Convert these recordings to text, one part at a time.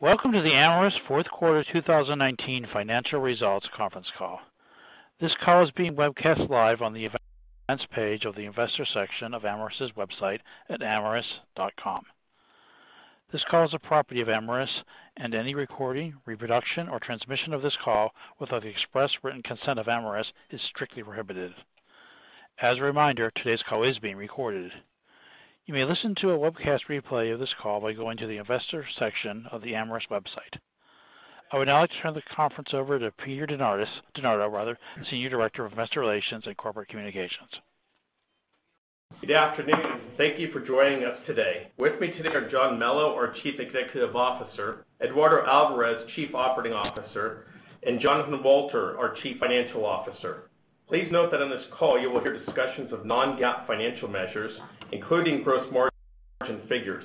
Welcome to the Amyris fourth quarter 2019 financial results conference call. This call is being broadcast live on the events page of the investor section of Amyris's website at amyris.com. This call is a property of Amyris, and any recording, reproduction, or transmission of this call without the express written consent of Amyris is strictly prohibited. As a reminder, today's call is being recorded. You may listen to a webcast replay of this call by going to the investor section of the Amyris website. I would now like to turn the conference over to Peter DeNardo, Senior Director of Investor Relations and Corporate Communications. Good afternoon, and thank you for joining us today. With me today are John Melo, our Chief Executive Officer, Eduardo Alvarez, Chief Operating Officer, and Jonathan Walter, our Chief Financial Officer. Please note that on this call you will hear discussions of non-GAAP financial measures, including gross margin figures.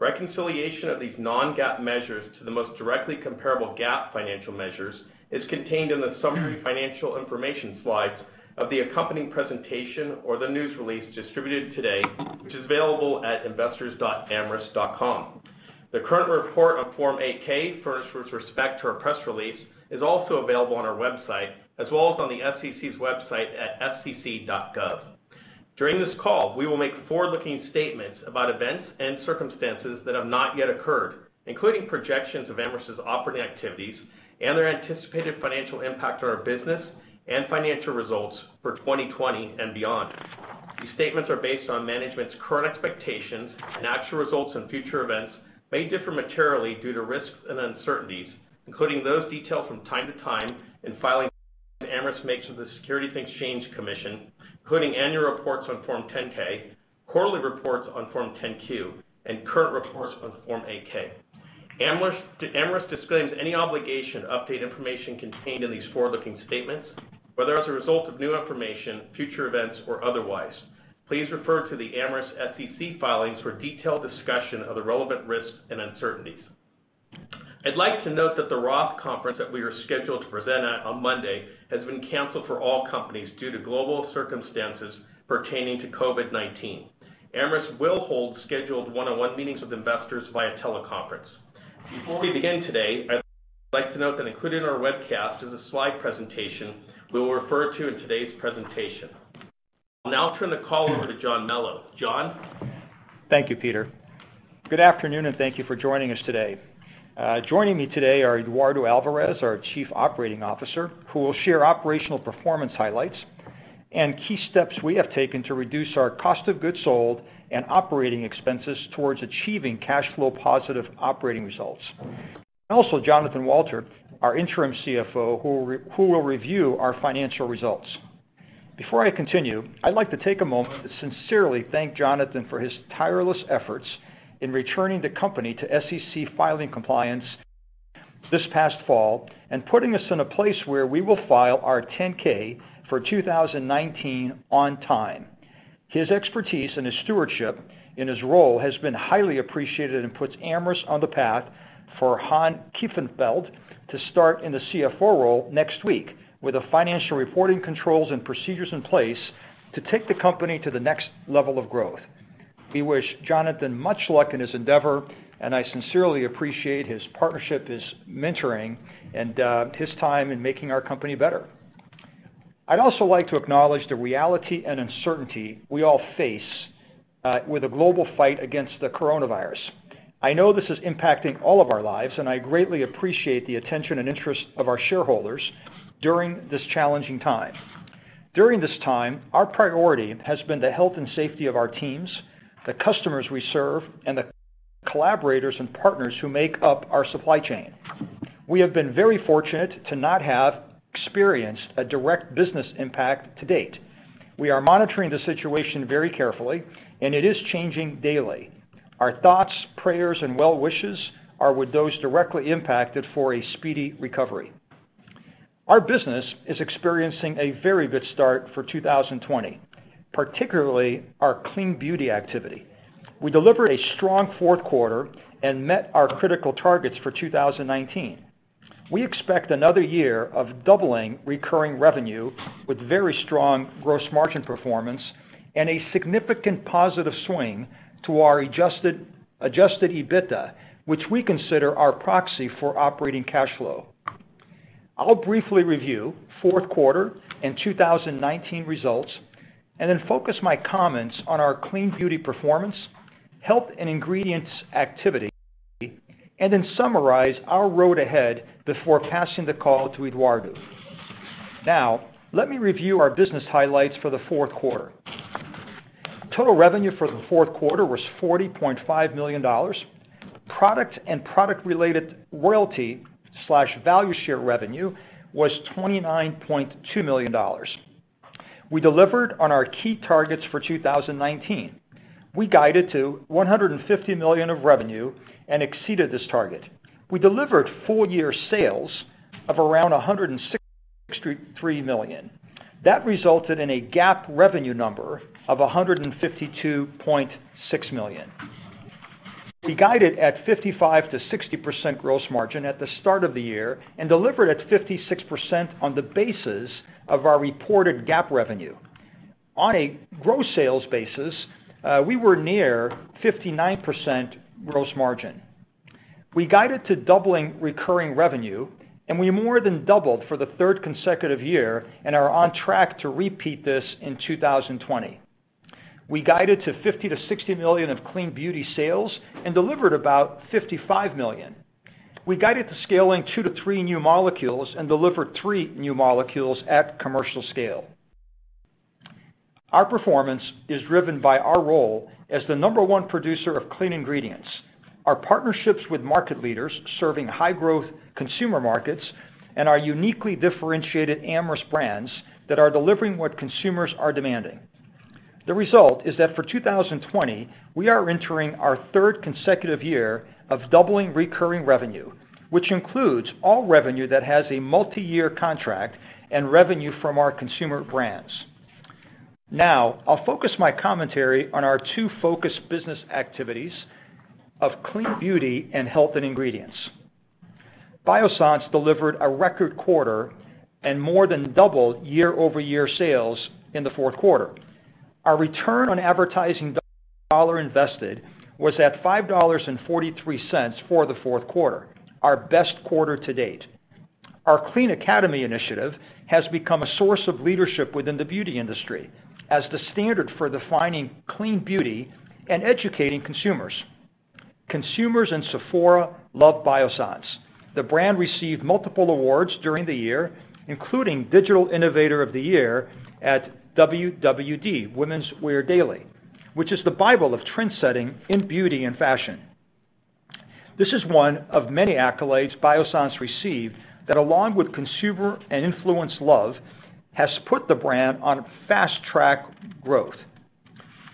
Reconciliation of these non-GAAP measures to the most directly comparable GAAP financial measures is contained in the summary financial information slides of the accompanying presentation or the news release distributed today, which is available at investors.amyris.com. The current report on Form 8-K, furnished with respect to our press release, is also available on our website, as well as on the SEC's website at sec.gov. During this call, we will make forward-looking statements about events and circumstances that have not yet occurred, including projections of Amyris's operating activities and their anticipated financial impact on our business and financial results for 2020 and beyond. These statements are based on management's current expectations, and actual results and future events may differ materially due to risks and uncertainties, including those detailed from time to time in filings Amyris makes with the Securities and Exchange Commission, including annual reports on Form 10-K, quarterly reports on Form 10-Q, and current reports on Form 8-K. Amyris disclaims any obligation to update information contained in these forward-looking statements, whether as a result of new information, future events, or otherwise. Please refer to the Amyris SEC filings for detailed discussion of the relevant risks and uncertainties. I'd like to note that the Roth conference that we are scheduled to present on Monday has been canceled for all companies due to global circumstances pertaining to COVID-19. Amyris will hold scheduled one-on-one meetings with investors via teleconference. Before we begin today, I'd like to note that included in our webcast is a slide presentation we will refer to in today's presentation. I'll now turn the call over to John Melo. John? Thank you, Peter. Good afternoon, and thank you for joining us today. Joining me today are Eduardo Alvarez, our Chief Operating Officer, who will share operational performance highlights and key steps we have taken to reduce our cost of goods sold and operating expenses towards achieving cash flow positive operating results. Also, Jonathan Walter, our Interim CFO, who will review our financial results. Before I continue, I'd like to take a moment to sincerely thank Jonathan for his tireless efforts in returning the company to SEC filing compliance this past fall and putting us in a place where we will file our 10-K for 2019 on time. His expertise and his stewardship in his role have been highly appreciated and put Amyris on the path for Han Kieftenbeld to start in the CFO role next week with the financial reporting controls and procedures in place to take the company to the next level of growth. We wish Jonathan much luck in his endeavor, and I sincerely appreciate his partnership, his mentoring, and his time in making our company better. I'd also like to acknowledge the reality and uncertainty we all face with the global fight against the coronavirus. I know this is impacting all of our lives, and I greatly appreciate the attention and interest of our shareholders during this challenging time. During this time, our priority has been the health and safety of our teams, the customers we serve, and the collaborators and partners who make up our supply chain. We have been very fortunate to not have experienced a direct business impact to date. We are monitoring the situation very carefully, and it is changing daily. Our thoughts, prayers, and well wishes are with those directly impacted for a speedy recovery. Our business is experiencing a very good start for 2020, particularly our clean beauty activity. We delivered a strong fourth quarter and met our critical targets for 2019. We expect another year of doubling recurring revenue with very strong gross margin performance and a significant positive swing to our adjusted EBITDA, which we consider our proxy for operating cash flow. I'll briefly review fourth quarter and 2019 results and then focus my comments on our clean beauty performance, health and ingredients activity, and then summarize our road ahead before passing the call to Eduardo. Now, let me review our business highlights for the fourth quarter. Total revenue for the fourth quarter was $40.5 million. Product and product-related royalty/value share revenue was $29.2 million. We delivered on our key targets for 2019. We guided to $150 million of revenue and exceeded this target. We delivered full year sales of around $163 million. That resulted in a GAAP revenue number of $152.6 million. We guided at 55%-60% gross margin at the start of the year and delivered at 56% on the basis of our reported GAAP revenue. On a gross sales basis, we were near 59% gross margin. We guided to doubling recurring revenue, and we more than doubled for the third consecutive year and are on track to repeat this in 2020. We guided to $50-$60 million of clean beauty sales and delivered about $55 million. We guided to scaling two to three new molecules and delivered three new molecules at commercial scale. Our performance is driven by our role as the number one producer of clean ingredients, our partnerships with market leaders serving high-growth consumer markets, and our uniquely differentiated Amyris brands that are delivering what consumers are demanding. The result is that for 2020, we are entering our third consecutive year of doubling recurring revenue, which includes all revenue that has a multi-year contract and revenue from our consumer brands. Now, I'll focus my commentary on our two focus business activities of clean beauty and health and ingredients. Biossance delivered a record quarter and more than doubled year-over-year sales in the fourth quarter. Our return on advertising dollar invested was at $5.43 for the fourth quarter, our best quarter to date. Our Clean Academy initiative has become a source of leadership within the beauty industry as the standard for defining clean beauty and educating consumers. Consumers in Sephora love Biossance. The brand received multiple awards during the year, including Digital Innovator of the Year at WWD, Women's Wear Daily, which is the Bible of trendsetting in beauty and fashion. This is one of many accolades Biossance received that, along with consumer and influence love, has put the brand on fast track growth.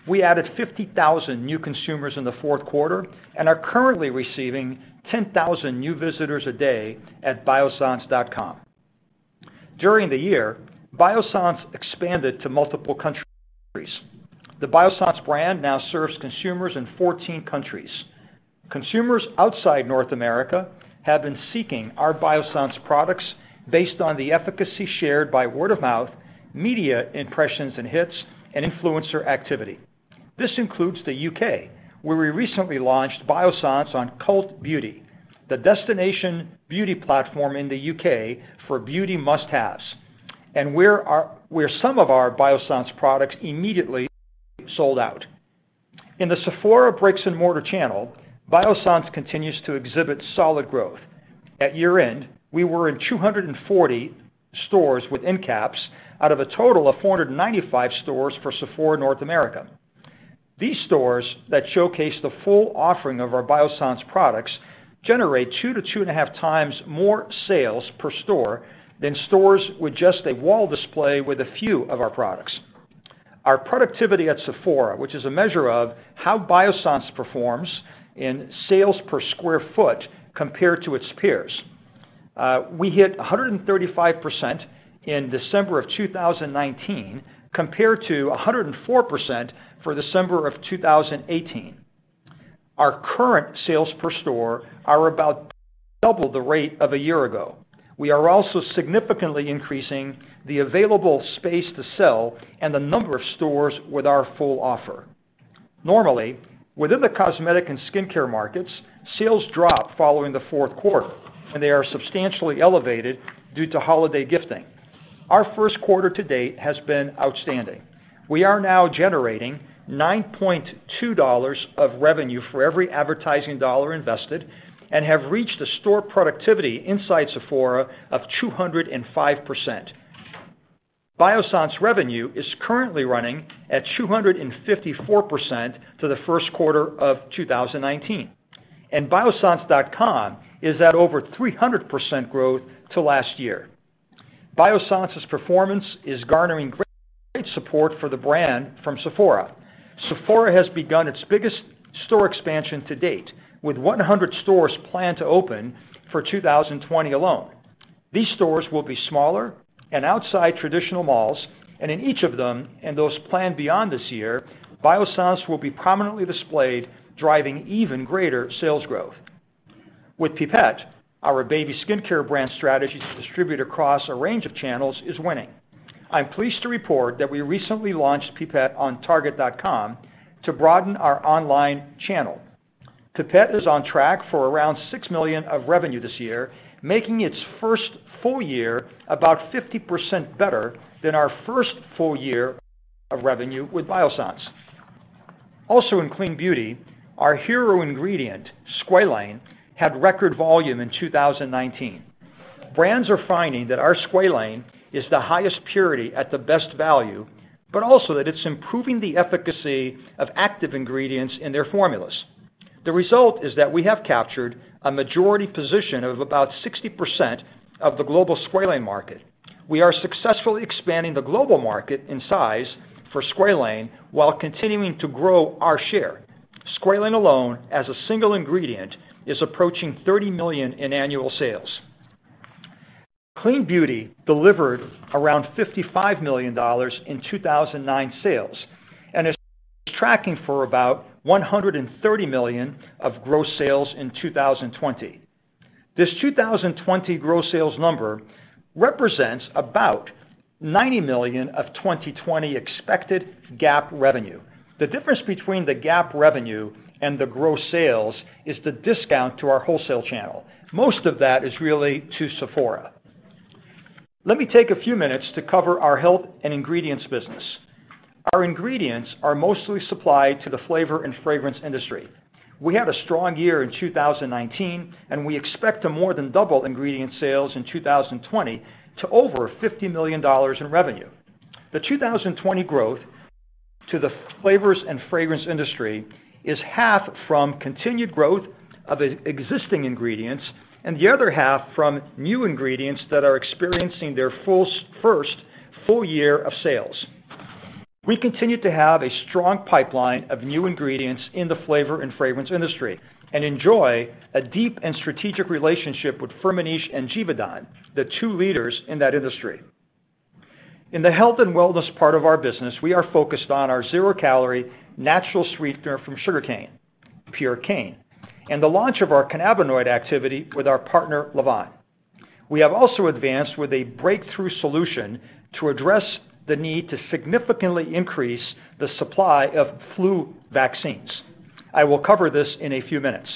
We added 50,000 new consumers in the fourth quarter and are currently receiving 10,000 new visitors a day at biossance.com. During the year, Biossance expanded to multiple countries. The Biossance brand now serves consumers in 14 countries. Consumers outside North America have been seeking our Biossance products based on the efficacy shared by word of mouth, media impressions and hits, and influencer activity. This includes the UK, where we recently launched Biossance on Cult Beauty, the destination beauty platform in the UK for beauty must-haves, and where some of our Biossance products immediately sold out. In the Sephora bricks and mortar channel, Biossance continues to exhibit solid growth. At year end, we were in 240 stores, which is out of a total of 495 stores for Sephora North America. These stores that showcase the full offering of our Biossance products generate two to two and a half times more sales per store than stores with just a wall display with a few of our products. Our productivity at Sephora, which is a measure of how Biossance performs in sales per sq ft compared to its peers, we hit 135% in December of 2019 compared to 104% for December of 2018. Our current sales per store are about double the rate of a year ago. We are also significantly increasing the available space to sell and the number of stores with our full offer. Normally, within the cosmetic and skincare markets, sales drop following the fourth quarter, and they are substantially elevated due to holiday gifting. Our first quarter to date has been outstanding. We are now generating $9.2 of revenue for every advertising dollar invested and have reached a store productivity inside Sephora of 205%. Biossance revenue is currently running at 254% to the first quarter of 2019, and biossance.com is at over 300% growth to last year. Biossance's performance is garnering great support for the brand from Sephora. Sephora has begun its biggest store expansion to date, with 100 stores planned to open for 2020 alone. These stores will be smaller and outside traditional malls, and in each of them, and those planned beyond this year, Biossance will be prominently displayed, driving even greater sales growth. With Pipette, our baby skincare brand strategy to distribute across a range of channels is winning. I'm pleased to report that we recently launched Pipette on Target.com to broaden our online channel. Pipette is on track for around $6 million of revenue this year, making its first full year about 50% better than our first full year of revenue with Biossance. Also in clean beauty, our hero ingredient, squalane, had record volume in 2019. Brands are finding that our squalane is the highest purity at the best value, but also that it's improving the efficacy of active ingredients in their formulas. The result is that we have captured a majority position of about 60% of the global squalane market. We are successfully expanding the global market in size for squalane while continuing to grow our share. Squalane alone, as a single ingredient, is approaching $30 million in annual sales. Clean beauty delivered around $55 million in 2019 sales and is tracking for about $130 million of gross sales in 2020. This 2020 gross sales number represents about $90 million of 2020 expected GAAP revenue. The difference between the GAAP revenue and the gross sales is the discount to our wholesale channel. Most of that is really to Sephora. Let me take a few minutes to cover our health and ingredients business. Our ingredients are mostly supplied to the flavor and fragrance industry. We had a strong year in 2019, and we expect to more than double ingredient sales in 2020 to over $50 million in revenue. The 2020 growth to the flavors and fragrance industry is half from continued growth of existing ingredients and the other half from new ingredients that are experiencing their first full year of sales. We continue to have a strong pipeline of new ingredients in the flavor and fragrance industry and enjoy a deep and strategic relationship with Firmenich and Givaudan, the two leaders in that industry. In the health and wellness part of our business, we are focused on our zero-calorie natural sweetener from sugarcane, Purecane, and the launch of our cannabinoid activity with our partner, Lavvan. We have also advanced with a breakthrough solution to address the need to significantly increase the supply of flu vaccines. I will cover this in a few minutes.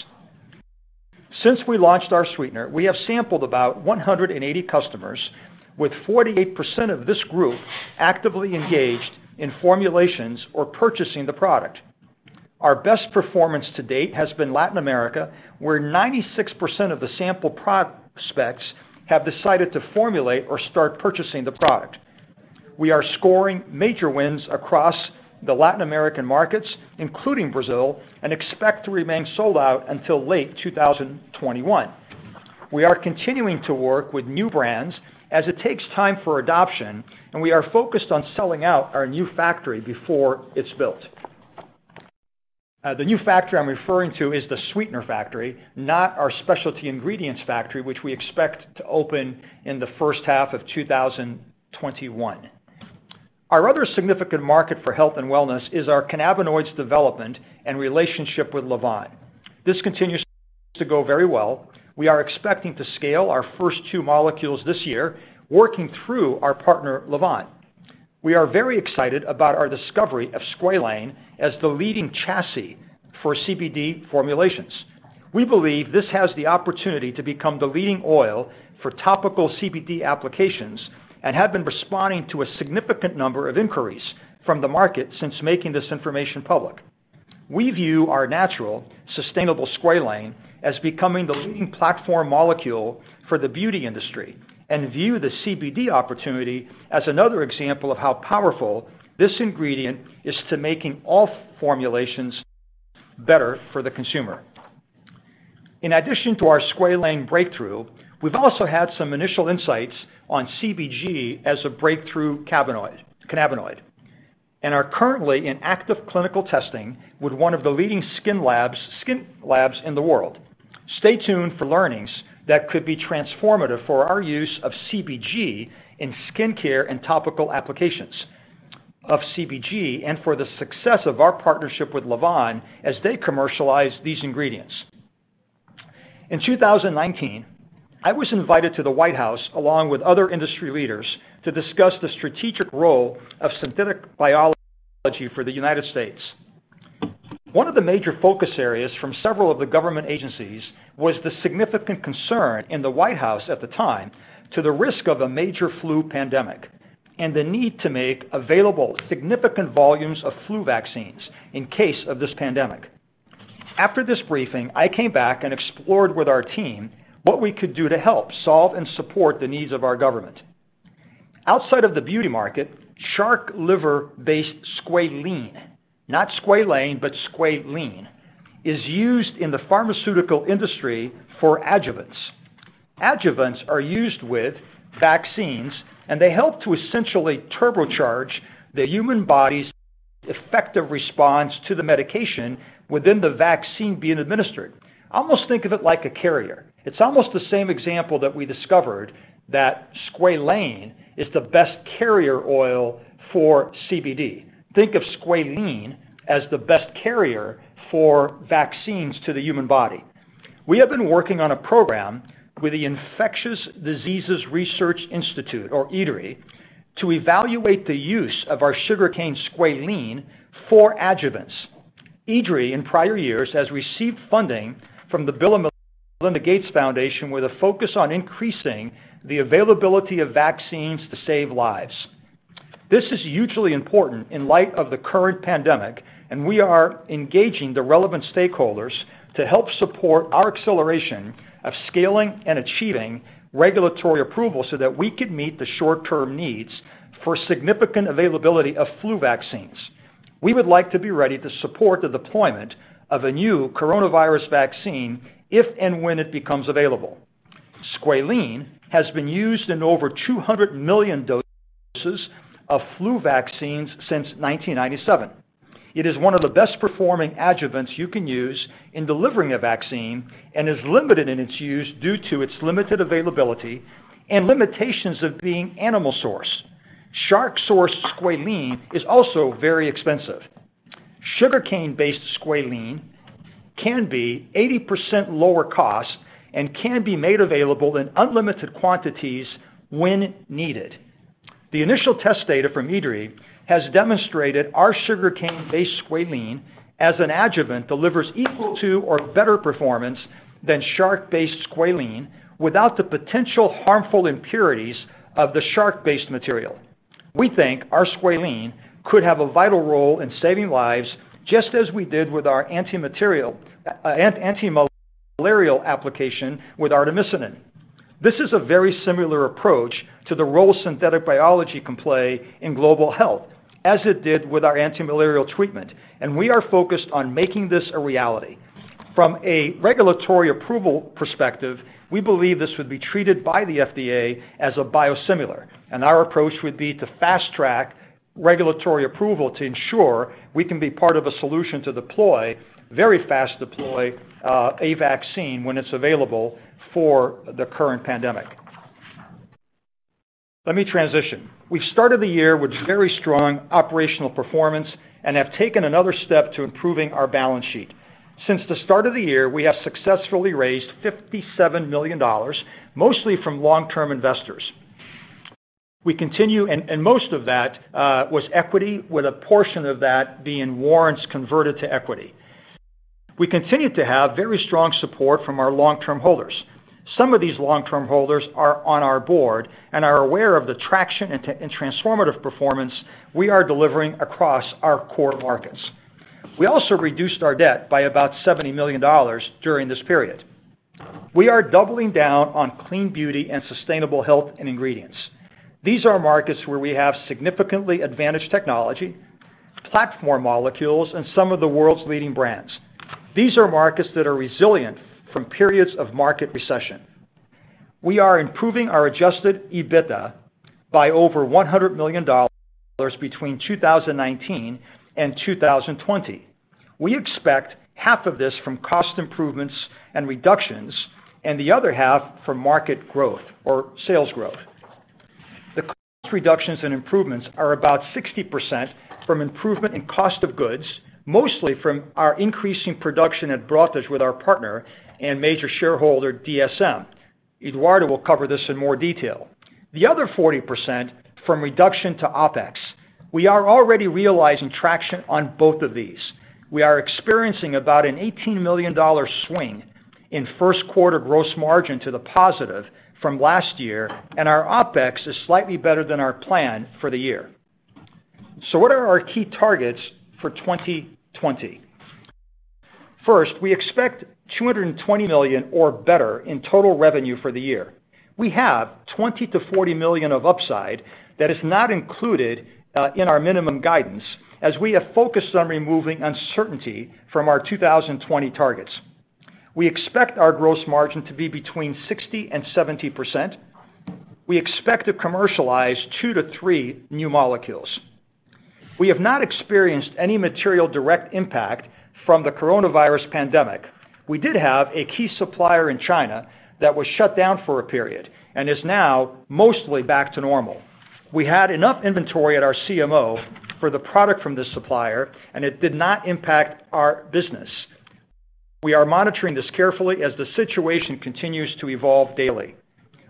Since we launched our sweetener, we have sampled about 180 customers, with 48% of this group actively engaged in formulations or purchasing the product. Our best performance to date has been Latin America, where 96% of the sample prospects have decided to formulate or start purchasing the product. We are scoring major wins across the Latin American markets, including Brazil, and expect to remain sold out until late 2021. We are continuing to work with new brands as it takes time for adoption, and we are focused on selling out our new factory before it's built. The new factory I'm referring to is the sweetener factory, not our specialty ingredients factory, which we expect to open in the first half of 2021. Our other significant market for health and wellness is our cannabinoids development and relationship with Lavvan. This continues to go very well. We are expecting to scale our first two molecules this year, working through our partner, Lavvan. We are very excited about our discovery of squalane as the leading chassis for CBD formulations. We believe this has the opportunity to become the leading oil for topical CBD applications and have been responding to a significant number of inquiries from the market since making this information public. We view our natural, sustainable squalane as becoming the leading platform molecule for the beauty industry and view the CBD opportunity as another example of how powerful this ingredient is to making all formulations better for the consumer. In addition to our squalane breakthrough, we've also had some initial insights on CBG as a breakthrough cannabinoid and are currently in active clinical testing with one of the leading skin labs in the world. Stay tuned for learnings that could be transformative for our use of CBG in skincare and topical applications of CBG and for the success of our partnership with Lavvan as they commercialize these ingredients. In 2019, I was invited to the White House along with other industry leaders to discuss the strategic role of synthetic biology for the United States. One of the major focus areas from several of the government agencies was the significant concern in the White House at the time to the risk of a major flu pandemic and the need to make available significant volumes of flu vaccines in case of this pandemic. After this briefing, I came back and explored with our team what we could do to help solve and support the needs of our government. Outside of the beauty market, shark liver-based squalene, not squalane, but squalene is used in the pharmaceutical industry for adjuvants. Adjuvants are used with vaccines, and they help to essentially turbocharge the human body's effective response to the medication within the vaccine being administered. Almost think of it like a carrier. It's almost the same example that we discovered that squalane is the best carrier oil for CBD. Think of squalene as the best carrier for vaccines to the human body. We have been working on a program with the Infectious Diseases Research Institute, or IDRI, to evaluate the use of our sugarcane squalene for adjuvants. IDRI, in prior years, has received funding from the Bill & Melinda Gates Foundation with a focus on increasing the availability of vaccines to save lives. This is hugely important in light of the current pandemic, and we are engaging the relevant stakeholders to help support our acceleration of scaling and achieving regulatory approval so that we could meet the short-term needs for significant availability of flu vaccines. We would like to be ready to support the deployment of a new coronavirus vaccine if and when it becomes available. Squalene has been used in over 200 million doses of flu vaccines since 1997. It is one of the best-performing adjuvants you can use in delivering a vaccine and is limited in its use due to its limited availability and limitations of being animal source. Shark-sourced squalene is also very expensive. Sugarcane-based squalene can be 80% lower cost and can be made available in unlimited quantities when needed. The initial test data from IDRI has demonstrated our sugarcane-based squalene as an adjuvant delivers equal to or better performance than shark-based squalene without the potential harmful impurities of the shark-based material. We think our squalene could have a vital role in saving lives, just as we did with our antimalarial application with artemisinin. This is a very similar approach to the role synthetic biology can play in global health, as it did with our antimalarial treatment, and we are focused on making this a reality. From a regulatory approval perspective, we believe this would be treated by the FDA as a biosimilar, and our approach would be to fast-track regulatory approval to ensure we can be part of a solution to deploy, very fast deploy, a vaccine when it's available for the current pandemic. Let me transition. We've started the year with very strong operational performance and have taken another step to improving our balance sheet. Since the start of the year, we have successfully raised $57 million, mostly from long-term investors. We continue, and most of that was equity, with a portion of that being warrants converted to equity. We continue to have very strong support from our long-term holders. Some of these long-term holders are on our board and are aware of the traction and transformative performance we are delivering across our core markets. We also reduced our debt by about $70 million during this period. We are doubling down on clean beauty and sustainable health and ingredients. These are markets where we have significantly advanced technology, platform molecules, and some of the world's leading brands. These are markets that are resilient from periods of market recession. We are improving our adjusted EBITDA by over $100 million between 2019 and 2020. We expect half of this from cost improvements and reductions and the other half from market growth or sales growth. The cost reductions and improvements are about 60% from improvement in cost of goods, mostly from our increasing production at Brotas with our partner and major shareholder DSM. Eduardo will cover this in more detail. The other 40% from reduction to OpEx. We are already realizing traction on both of these. We are experiencing about an $18 million swing in first quarter gross margin to the positive from last year, and our OpEx is slightly better than our plan for the year. So what are our key targets for 2020? First, we expect $220 million or better in total revenue for the year. We have $20-$40 million of upside that is not included in our minimum guidance, as we have focused on removing uncertainty from our 2020 targets. We expect our gross margin to be between 60% and 70%. We expect to commercialize two to three new molecules. We have not experienced any material direct impact from the coronavirus pandemic. We did have a key supplier in China that was shut down for a period and is now mostly back to normal. We had enough inventory at our CMO for the product from this supplier, and it did not impact our business. We are monitoring this carefully as the situation continues to evolve daily.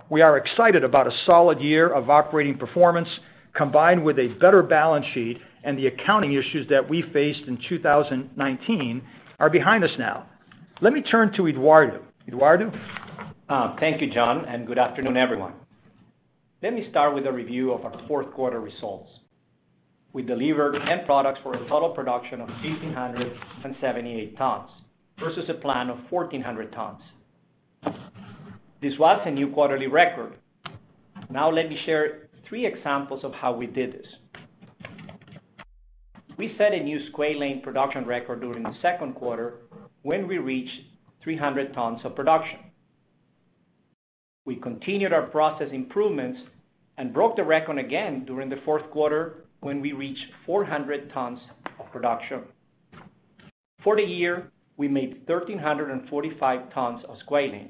We are excited about a solid year of operating performance combined with a better balance sheet, and the accounting issues that we faced in 2019 are behind us now. Let me turn to Eduardo. Eduardo? Thank you, John, and good afternoon, everyone. Let me start with a review of our fourth quarter results. We delivered 10 products for a total production of 1,878 tons versus a plan of 1,400 tons. This was a new quarterly record. Now let me share three examples of how we did this. We set a new squalene production record during the second quarter when we reached 300 tons of production. We continued our process improvements and broke the record again during the fourth quarter when we reached 400 tons of production. For the year, we made 1,345 tons of squalene,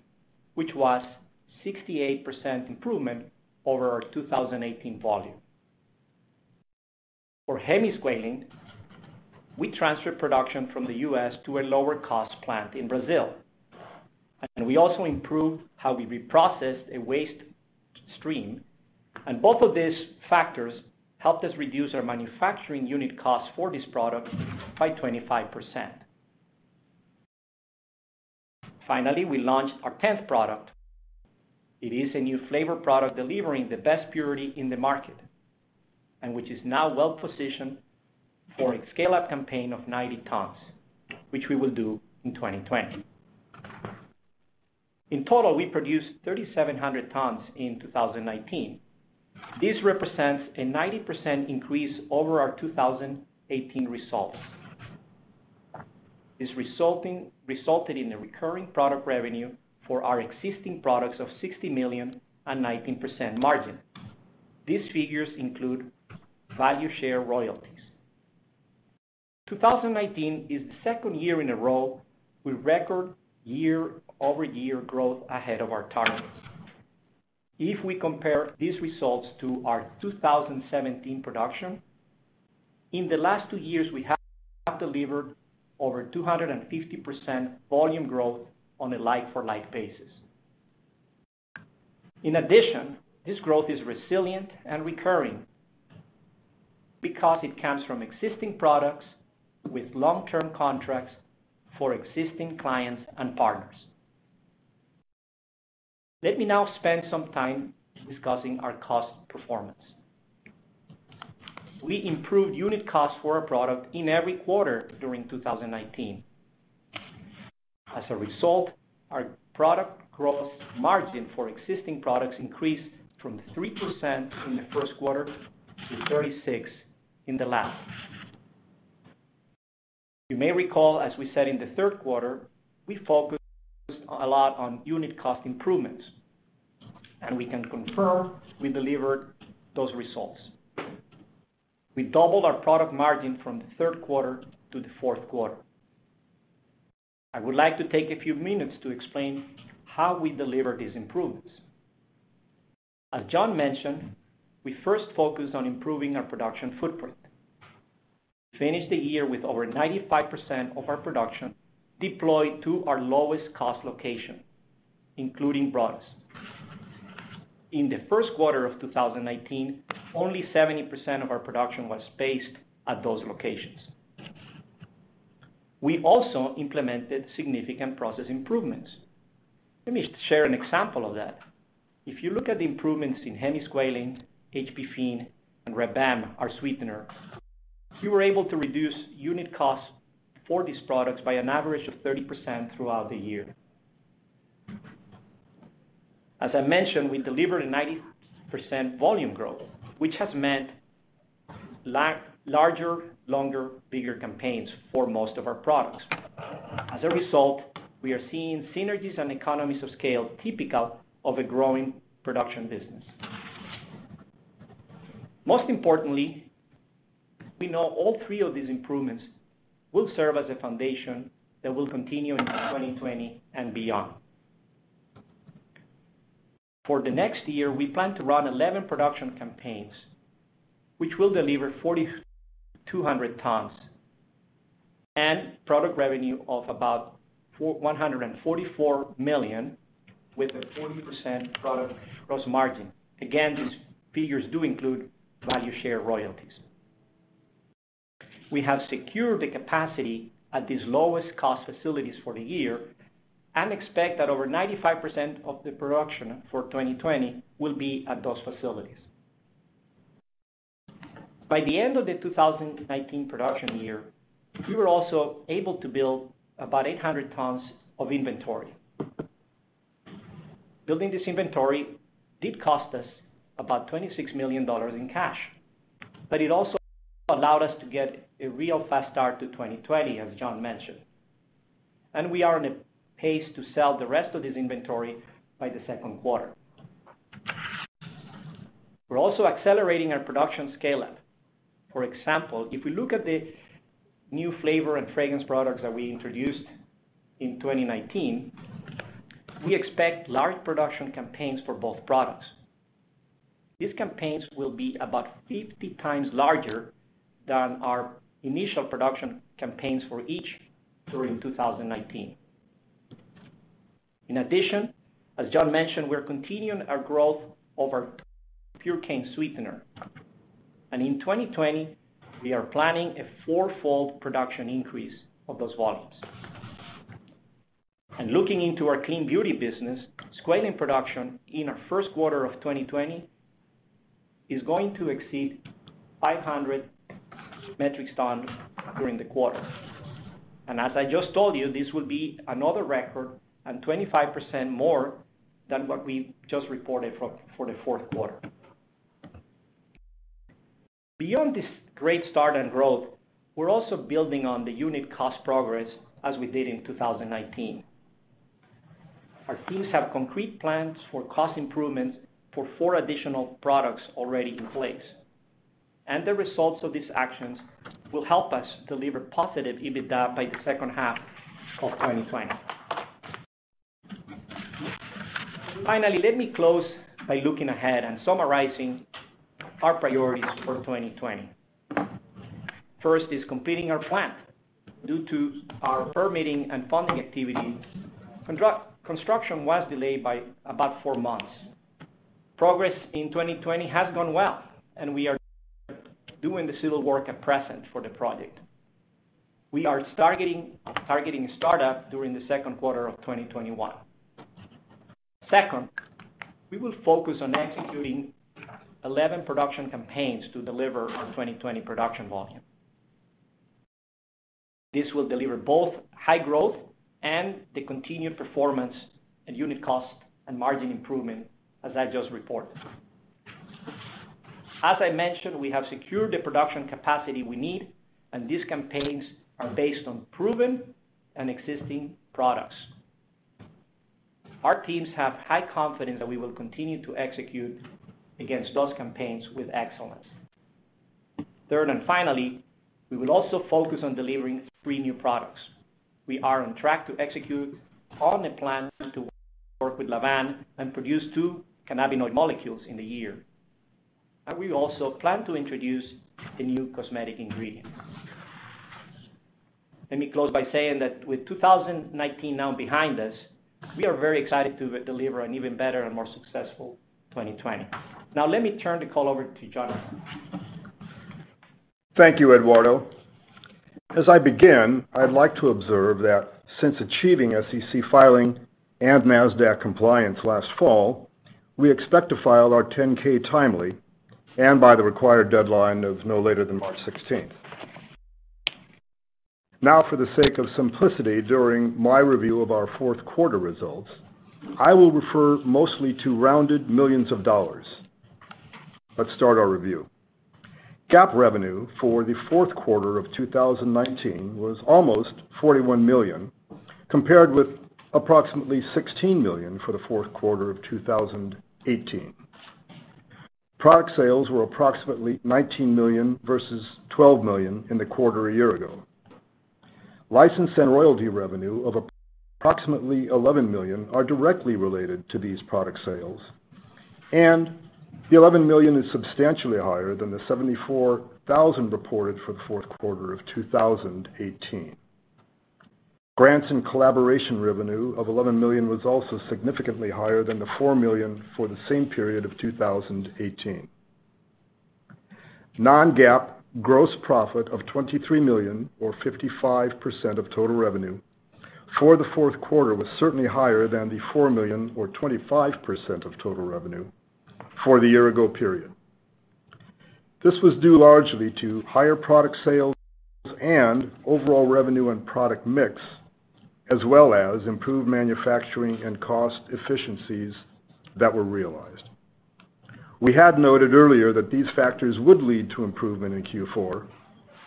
which was a 68% improvement over our 2018 volume. For hemisqualane, we transferred production from the U.S. to a lower-cost plant in Brazil, and we also improved how we reprocessed a waste stream. Both of these factors helped us reduce our manufacturing unit costs for this product by 25%. Finally, we launched our tenth product. It is a new flavor product delivering the best purity in the market and which is now well-positioned for a scale-up campaign of 90 tons, which we will do in 2020. In total, we produced 3,700 tons in 2019. This represents a 90% increase over our 2018 results. This resulted in a recurring product revenue for our existing products of $60 million and a 19% margin. These figures include value share royalties. 2019 is the second year in a row with record year-over-year growth ahead of our targets. If we compare these results to our 2017 production, in the last two years, we have delivered over 250% volume growth on a like-for-like basis. In addition, this growth is resilient and recurring because it comes from existing products with long-term contracts for existing clients and partners. Let me now spend some time discussing our cost performance. We improved unit costs for our product in every quarter during 2019. As a result, our product gross margin for existing products increased from 3% in the first quarter to 36% in the last. You may recall, as we said in the third quarter, we focused a lot on unit cost improvements, and we can confirm we delivered those results. We doubled our product margin from the third quarter to the fourth quarter. I would like to take a few minutes to explain how we delivered these improvements. As John mentioned, we first focused on improving our production footprint. We finished the year with over 95% of our production deployed to our lowest cost location, including Brotas. In the first quarter of 2019, only 70% of our production was based at those locations. We also implemented significant process improvements. Let me share an example of that. If you look at the improvements in hemisqualane, farnesene, and Purecane, our sweetener, we were able to reduce unit costs for these products by an average of 30% throughout the year. As I mentioned, we delivered a 90% volume growth, which has meant larger, longer, bigger campaigns for most of our products. As a result, we are seeing synergies and economies of scale typical of a growing production business. Most importantly, we know all three of these improvements will serve as a foundation that will continue in 2020 and beyond. For the next year, we plan to run 11 production campaigns, which will deliver 4,200 tons and product revenue of about $144 million with a 40% product gross margin. Again, these figures do include value share royalties. We have secured the capacity at these lowest cost facilities for the year and expect that over 95% of the production for 2020 will be at those facilities. By the end of the 2019 production year, we were also able to build about 800 tons of inventory. Building this inventory did cost us about $26 million in cash, but it also allowed us to get a real fast start to 2020, as John mentioned, and we are on a pace to sell the rest of this inventory by the second quarter. We're also accelerating our production scale-up. For example, if we look at the new flavor and fragrance products that we introduced in 2019, we expect large production campaigns for both products. These campaigns will be about 50 times larger than our initial production campaigns for each during 2019. In addition, as John mentioned, we're continuing our growth of our Purecane sweetener, and in 2020, we are planning a four-fold production increase of those volumes. And looking into our clean beauty business, Squalene production in our first quarter of 2020 is going to exceed 500 metric tons during the quarter. And as I just told you, this will be another record and 25% more than what we just reported for the fourth quarter. Beyond this great start and growth, we're also building on the unit cost progress as we did in 2019. Our teams have concrete plans for cost improvements for four additional products already in place, and the results of these actions will help us deliver positive EBITDA by the second half of 2020. Finally, let me close by looking ahead and summarizing our priorities for 2020. First is completing our plant. Due to our permitting and funding activity, construction was delayed by about four months. Progress in 2020 has gone well, and we are doing the civil work at present for the project. We are targeting start-up during the second quarter of 2021. Second, we will focus on executing 11 production campaigns to deliver our 2020 production volume. This will deliver both high growth and the continued performance and unit cost and margin improvement, as I just reported. As I mentioned, we have secured the production capacity we need, and these campaigns are based on proven and existing products. Our teams have high confidence that we will continue to execute against those campaigns with excellence. Third and finally, we will also focus on delivering three new products. We are on track to execute on a plan to work with Lavvan and produce two cannabinoid molecules in the year. We also plan to introduce a new cosmetic ingredient. Let me close by saying that with 2019 now behind us, we are very excited to deliver an even better and more successful 2020. Now let me turn the call over to Jonathan. Thank you, Eduardo. As I begin, I'd like to observe that since achieving SEC filing and NASDAQ compliance last fall, we expect to file our 10-K timely and by the required deadline of no later than March 16th. Now, for the sake of simplicity during my review of our fourth quarter results, I will refer mostly to rounded millions of dollars. Let's start our review. GAAP revenue for the fourth quarter of 2019 was almost $41 million, compared with approximately $16 million for the fourth quarter of 2018. Product sales were approximately $19 million versus $12 million in the quarter a year ago. License and royalty revenue of approximately $11 million are directly related to these product sales, and the $11 million is substantially higher than the $74,000 reported for the fourth quarter of 2018. Grants and collaboration revenue of $11 million was also significantly higher than the $4 million for the same period of 2018. Non-GAAP gross profit of $23 million, or 55% of total revenue for the fourth quarter, was certainly higher than the $4 million, or 25% of total revenue for the year-ago period. This was due largely to higher product sales and overall revenue and product mix, as well as improved manufacturing and cost efficiencies that were realized. We had noted earlier that these factors would lead to improvement in Q4,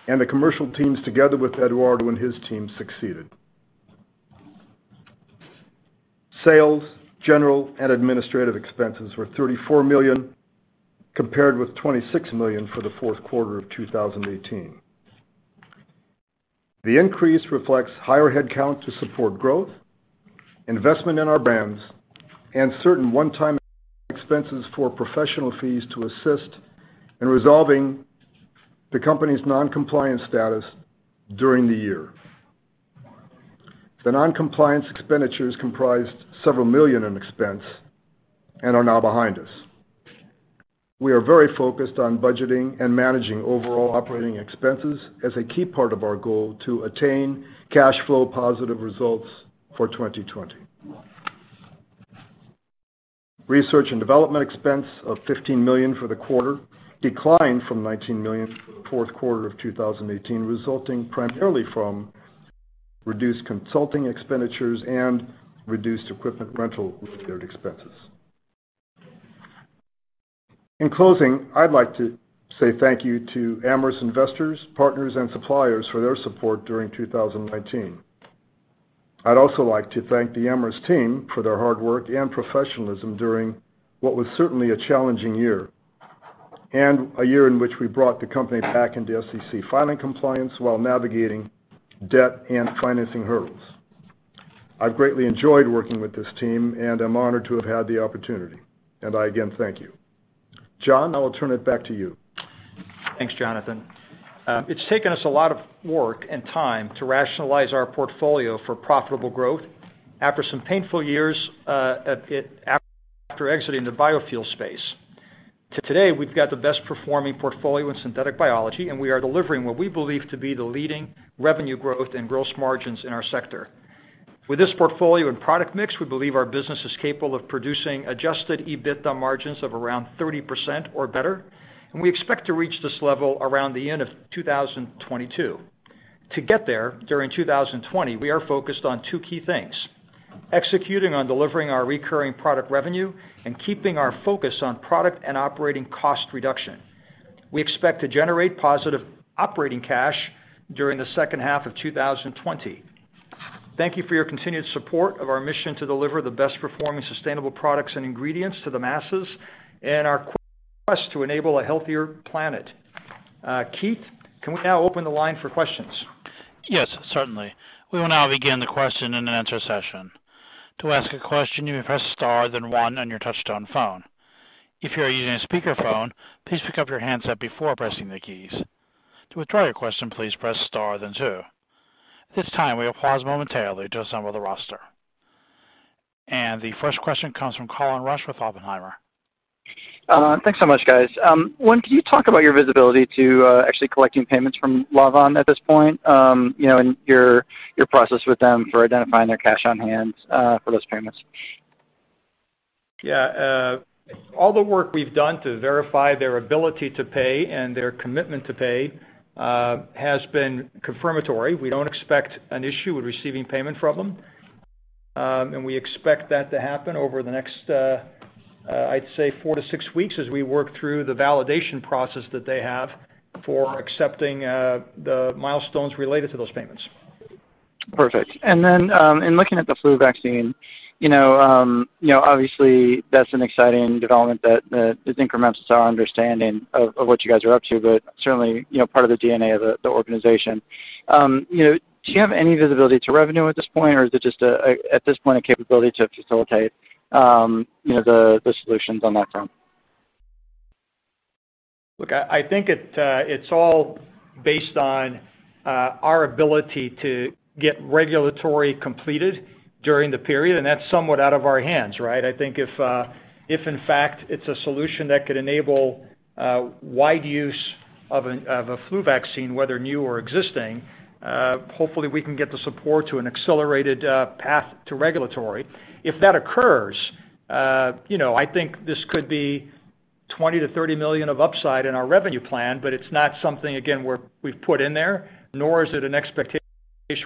and the commercial teams, together with Eduardo and his team, succeeded. Sales, general, and administrative expenses were $34 million, compared with $26 million for the fourth quarter of 2018. The increase reflects higher headcount to support growth, investment in our brands, and certain one-time expenses for professional fees to assist in resolving the company's non-compliance status during the year. The non-compliance expenditures comprised several million in expense and are now behind us. We are very focused on budgeting and managing overall operating expenses as a key part of our goal to attain cash flow positive results for 2020. Research and development expense of $15 million for the quarter declined from $19 million for the fourth quarter of 2018, resulting primarily from reduced consulting expenditures and reduced equipment rental-related expenses. In closing, I'd like to say thank you to Amyris Investors, partners, and suppliers for their support during 2019. I'd also like to thank the Amyris team for their hard work and professionalism during what was certainly a challenging year and a year in which we brought the company back into SEC filing compliance while navigating debt and financing hurdles. I've greatly enjoyed working with this team, and I'm honored to have had the opportunity, and I again thank you. John, I will turn it back to you. Thanks, Jonathan. It's taken us a lot of work and time to rationalize our portfolio for profitable growth after some painful years after exiting the biofuel space. Today, we've got the best-performing portfolio in synthetic biology, and we are delivering what we believe to be the leading revenue growth and gross margins in our sector. With this portfolio and product mix, we believe our business is capable of producing adjusted EBITDA margins of around 30% or better, and we expect to reach this level around the end of 2022. To get there during 2020, we are focused on two key things: executing on delivering our recurring product revenue and keeping our focus on product and operating cost reduction. We expect to generate positive operating cash during the second half of 2020. Thank you for your continued support of our mission to deliver the best-performing sustainable products and ingredients to the masses and our quest to enable a healthier planet. Keith, can we now open the line for questions? Yes, certainly. We will now begin the question and answer session. To ask a question, you may press star then one on your touch-tone phone. If you are using a speakerphone, please pick up the handset before pressing the keys. To withdraw your question, please press star then two. At this time, we will pause momentarily to assemble the roster. And the first question comes from Colin Rusch with Oppenheimer. Thanks so much, guys. One, can you talk about your visibility to actually collecting payments from Lavvan at this point and your process with them for identifying their cash on hand for those payments? Yeah. All the work we've done to verify their ability to pay and their commitment to pay has been confirmatory. We don't expect an issue with receiving payment from them, and we expect that to happen over the next, I'd say, four to six weeks as we work through the validation process that they have for accepting the milestones related to those payments. Perfect. And then in looking at the flu vaccine, obviously, that's an exciting development that increments our understanding of what you guys are up to, but certainly part of the DNA of the organization. Do you have any visibility to revenue at this point, or is it just, at this point, a capability to facilitate the solutions on that front? Look, I think it's all based on our ability to get regulatory completed during the period, and that's somewhat out of our hands, right? I think if, in fact, it's a solution that could enable wide use of a flu vaccine, whether new or existing, hopefully, we can get the support to an accelerated path to regulatory. If that occurs, I think this could be $20-$30 million of upside in our revenue plan, but it's not something, again, we've put in there, nor is it an expectation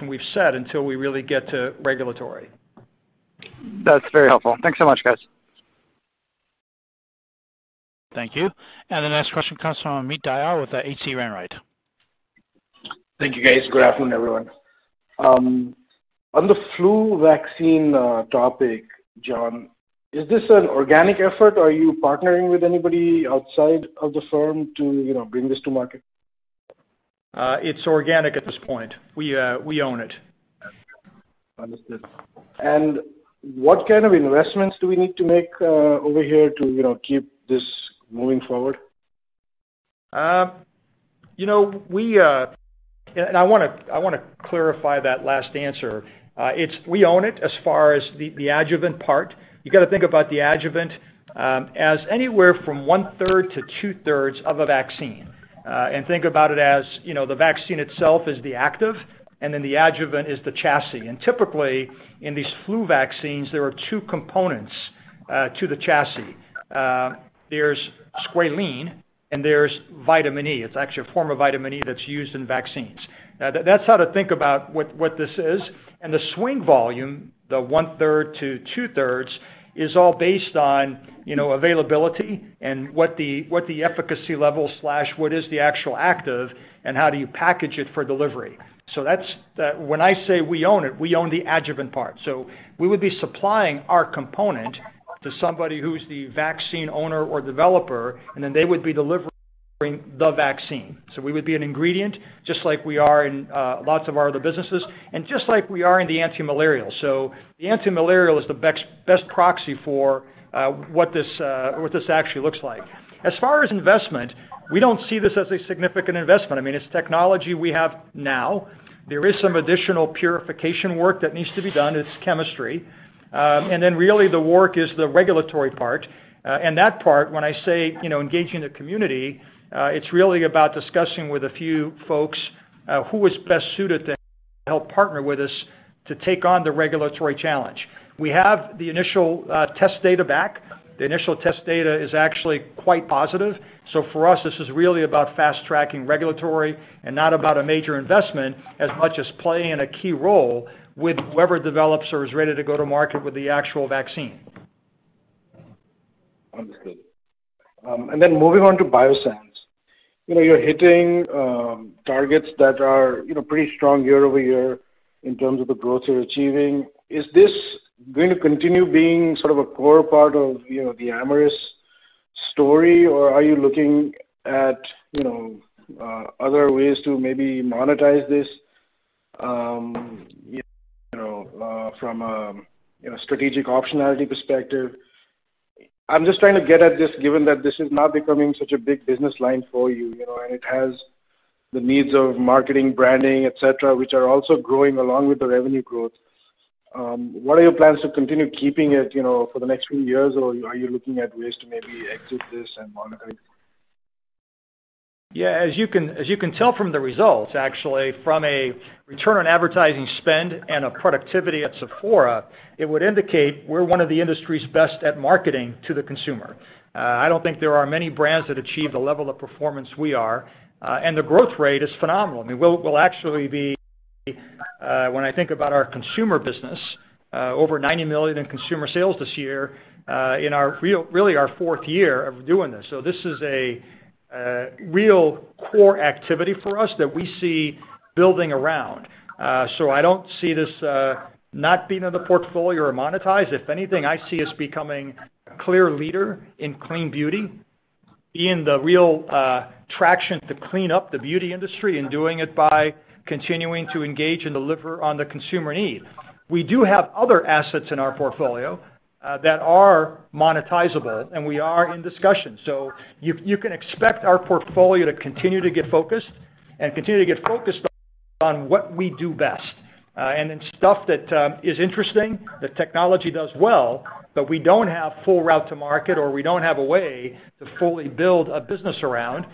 we've set until we really get to regulatory. That's very helpful. Thanks so much, guys. Thank you. And the next question comes from Amit Dayal with H.C. Wainwright. Thank you, guys. Good afternoon, everyone. On the flu vaccine topic, John, is this an organic effort? Are you partnering with anybody outside of the firm to bring this to market? It's organic at this point. We own it. Understood. And what kind of investments do we need to make over here to keep this moving forward? And I want to clarify that last answer. We own it as far as the adjuvant part. You got to think about the adjuvant as anywhere from one-third to two-thirds of a vaccine. And think about it as the vaccine itself is the active, and then the adjuvant is the chassis. And typically, in these flu vaccines, there are two components to the chassis. There's squalene and there's vitamin E. It's actually a form of vitamin E that's used in vaccines. That's how to think about what this is. And the swing volume, the one-third to two-thirds, is all based on availability and what the efficacy level, what is the actual active, and how do you package it for delivery. So when I say we own it, we own the adjuvant part. So we would be supplying our component to somebody who's the vaccine owner or developer, and then they would be delivering the vaccine. So we would be an ingredient, just like we are in lots of our other businesses, and just like we are in the antimalarial. So the antimalarial is the best proxy for what this actually looks like. As far as investment, we don't see this as a significant investment. I mean, it's technology we have now. There is some additional purification work that needs to be done. It's chemistry. And then really, the work is the regulatory part. And that part, when I say engaging the community, it's really about discussing with a few folks who is best suited to help partner with us to take on the regulatory challenge. We have the initial test data back. The initial test data is actually quite positive. So for us, this is really about fast-tracking regulatory and not about a major investment as much as playing a key role with whoever develops or is ready to go to market with the actual vaccine. Understood. And then moving on to Biossance, you're hitting targets that are pretty strong year over year in terms of the growth you're achieving. Is this going to continue being sort of a core part of the Amyris story, or are you looking at other ways to maybe monetize this from a strategic optionality perspective? I'm just trying to get at this, given that this is not becoming such a big business line for you, and it has the needs of marketing, branding, etc., which are also growing along with the revenue growth. What are your plans to continue keeping it for the next few years, or are you looking at ways to maybe exit this and monetize? Yeah. As you can tell from the results, actually, from a return on advertising spend and a productivity at Sephora, it would indicate we're one of the industry's best at marketing to the consumer. I don't think there are many brands that achieve the level of performance we are, and the growth rate is phenomenal. I mean, we'll actually be, when I think about our consumer business, over $90 million in consumer sales this year in really our fourth year of doing this. So this is a real core activity for us that we see building around. So I don't see this not being in the portfolio or monetized. If anything, I see us becoming a clear leader in clean beauty, being the real traction to clean up the beauty industry and doing it by continuing to engage and deliver on the consumer need. We do have other assets in our portfolio that are monetizable, and we are in discussions, so you can expect our portfolio to continue to get focused on what we do best, and then stuff that is interesting, the technology does well, but we don't have full route to market or we don't have a way to fully build a business around,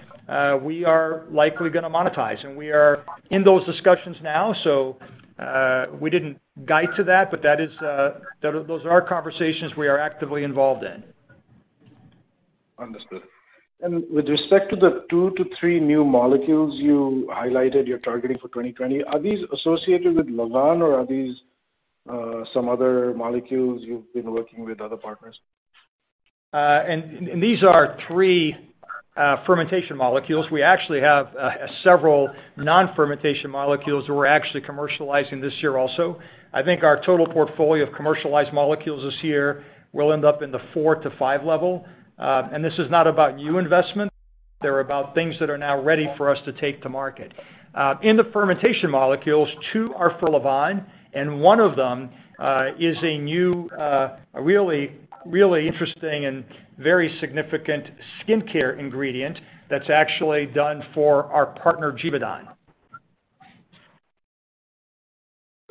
we are likely going to monetize, and we are in those discussions now, so we didn't guide to that, but those are our conversations we are actively involved in. Understood. With respect to the two-to-three new molecules you highlighted you're targeting for 2020, are these associated with Lavvan, or are these some other molecules you've been working with other partners? These are three fermentation molecules. We actually have several non-fermentation molecules that we're actually commercializing this year also. I think our total portfolio of commercialized molecules this year will end up in the four-to-five level. This is not about new investments. They're about things that are now ready for us to take to market. In the fermentation molecules, two are for Lavvan, and one of them is a new, really interesting and very significant skincare ingredient that's actually done for our partner, Givaudan.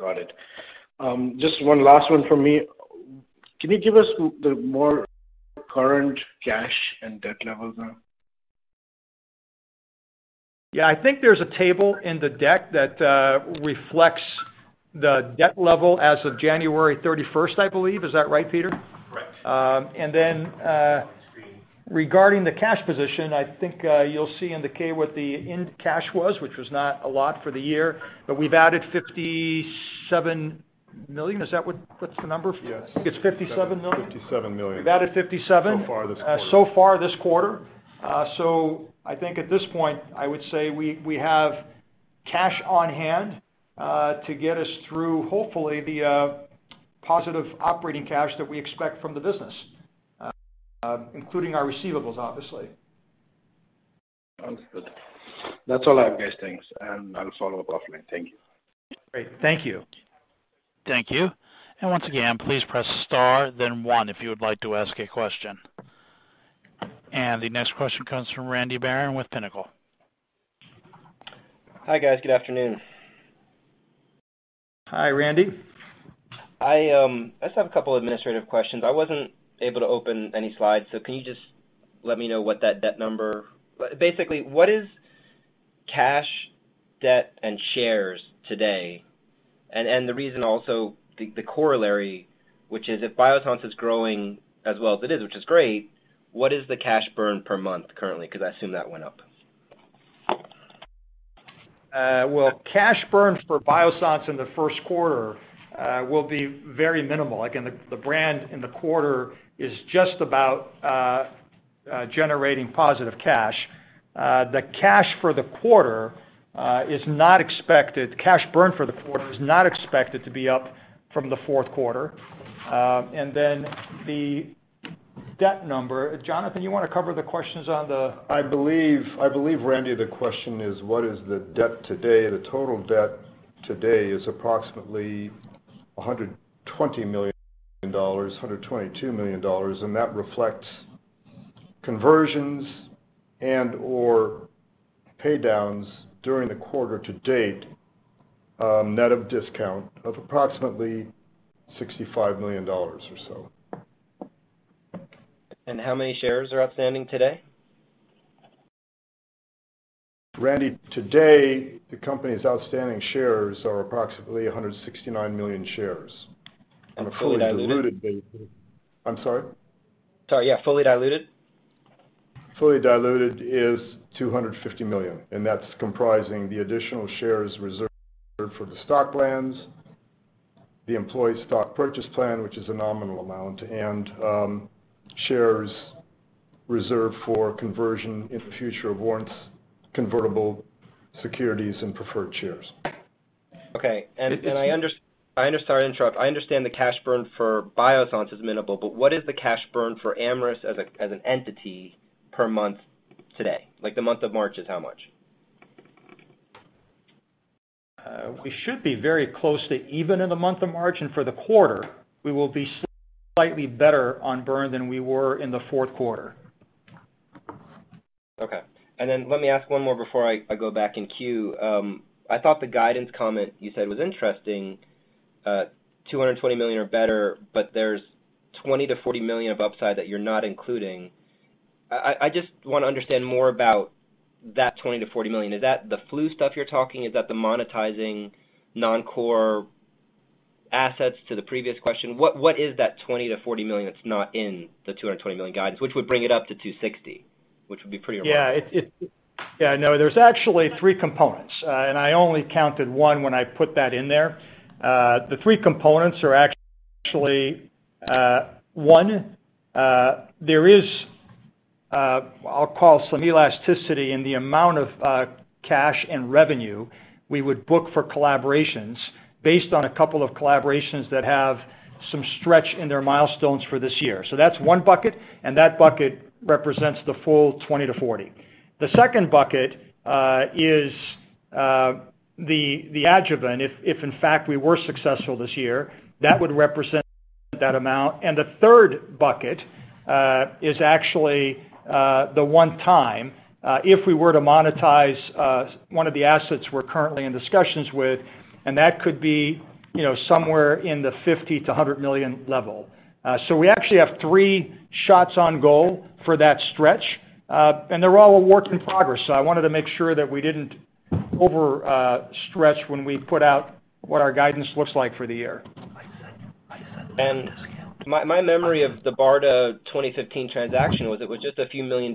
Got it. Just one last one from me. Can you give us the more current cash and debt levels now? Yeah. I think there's a table in the deck that reflects the debt level as of January 31st, I believe. Is that right, Peter? Correct. And then regarding the cash position, I think you'll see in the K what the end cash was, which was not a lot for the year, but we've added $57 million. Is that what's the number? Yeah. I think it's $57 million. $57 million. We've added $57 so far this quarter. So I think at this point, I would say we have cash on hand to get us through, hopefully, the positive operating cash that we expect from the business, including our receivables, obviously. Understood. That's all I have, guys. Thanks. And I'll follow up offline. Thank you. Great. Thank you. Thank you. And once again, please press star, then one if you would like to ask a question. The next question comes from Randy Baron with Pinnacle. Hi, guys. Good afternoon. Hi, Randy. I just have a couple of administrative questions. I wasn't able to open any slides, so can you just let me know what that debt number basically is, what is cash, debt, and shares today? And the reason also, the corollary, which is if Biossance is growing as well as it is, which is great, what is the cash burn per month currently? Because I assume that went up. Well, cash burn for Biossance in the first quarter will be very minimal. Again, the brand in the quarter is just about generating positive cash. Cash burn for the quarter is not expected to be up from the fourth quarter. And then the debt number, Jonathan, you want to cover the questions on the. I believe, Randy, the question is, what is the debt today? The total debt today is approximately $120 million-$122 million, and that reflects conversions and/or paydowns during the quarter to date, net of discount, of approximately $65 million or so. How many shares are outstanding today? Randy, today, the company's outstanding shares are approximately 169 million shares. Fully diluted? I'm sorry? Sorry. Yeah. Fully diluted is 250 million, and that's comprising the additional shares reserved for the stock plans, the employee stock purchase plan, which is a nominal amount, and shares reserved for conversion in the future of warrants, convertible securities, and preferred shares. Okay. I understand, sorry to interrupt. I understand the cash burn for Biossance is minimal, but what is the cash burn for Amyris as an entity per month today? The month of March is how much? We should be very close to even in the month of March, and for the quarter, we will be slightly better on burn than we were in the fourth quarter. Okay. And then let me ask one more before I go back in queue. I thought the guidance comment you said was interesting, $220 million or better, but there's $20-$40 million of upside that you're not including. I just want to understand more about that $20-$40 million. Is that the flu stuff you're talking? Is that the monetizing non-core assets to the previous question? What is that $20-$40 million that's not in the $220 million guidance, which would bring it up to $260 million, which would be pretty remarkable? Yeah. Yeah. No, there's actually three components, and I only counted one when I put that in there. The three components are actually one. There is, I'll call it some elasticity in the amount of cash and revenue we would book for collaborations based on a couple of collaborations that have some stretch in their milestones for this year. So that's one bucket, and that bucket represents the full $20-$40 million. The second bucket is the adjuvant. If, in fact, we were successful this year, that would represent that amount. And the third bucket is actually the one-time if we were to monetize one of the assets we're currently in discussions with, and that could be somewhere in the $50-$100 million level. So we actually have three shots on goal for that stretch, and they're all a work in progress. So I wanted to make sure that we didn't overstretch when we put out what our guidance looks like for the year. My memory of the BARDA 2015 transaction was it was just $ a few million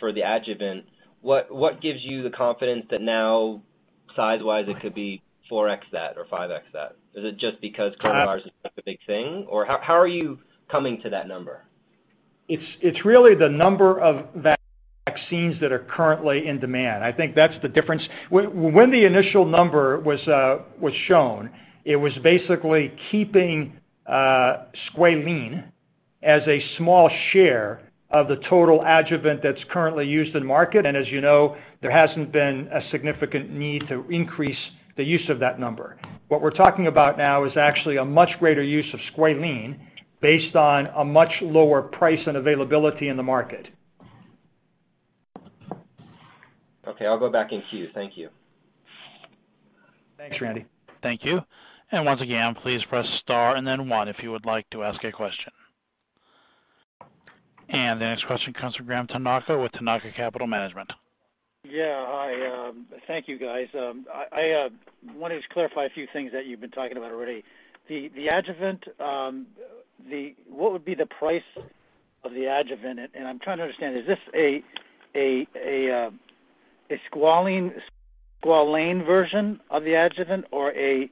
for the adjuvant. What gives you the confidence that now, size-wise, it could be 4X that or 5X that? Is it just because coronavirus is such a big thing, or how are you coming to that number? It's really the number of vaccines that are currently in demand. I think that's the difference. When the initial number was shown, it was basically keeping squalene as a small share of the total adjuvant that's currently used in market. And as you know, there hasn't been a significant need to increase the use of that number. What we're talking about now is actually a much greater use of squalene based on a much lower price and availability in the market. Okay. I'll go back in queue. Thank you. Thanks, Randy. Thank you. And once again, please press star and then one if you would like to ask a question. And the next question comes from Graham Tanaka with Tanaka Capital Management. Yeah. Hi. Thank you, guys. I wanted to clarify a few things that you've been talking about already. The adjuvant, what would be the price of the adjuvant? And I'm trying to understand, is this a squalene version of the adjuvant or an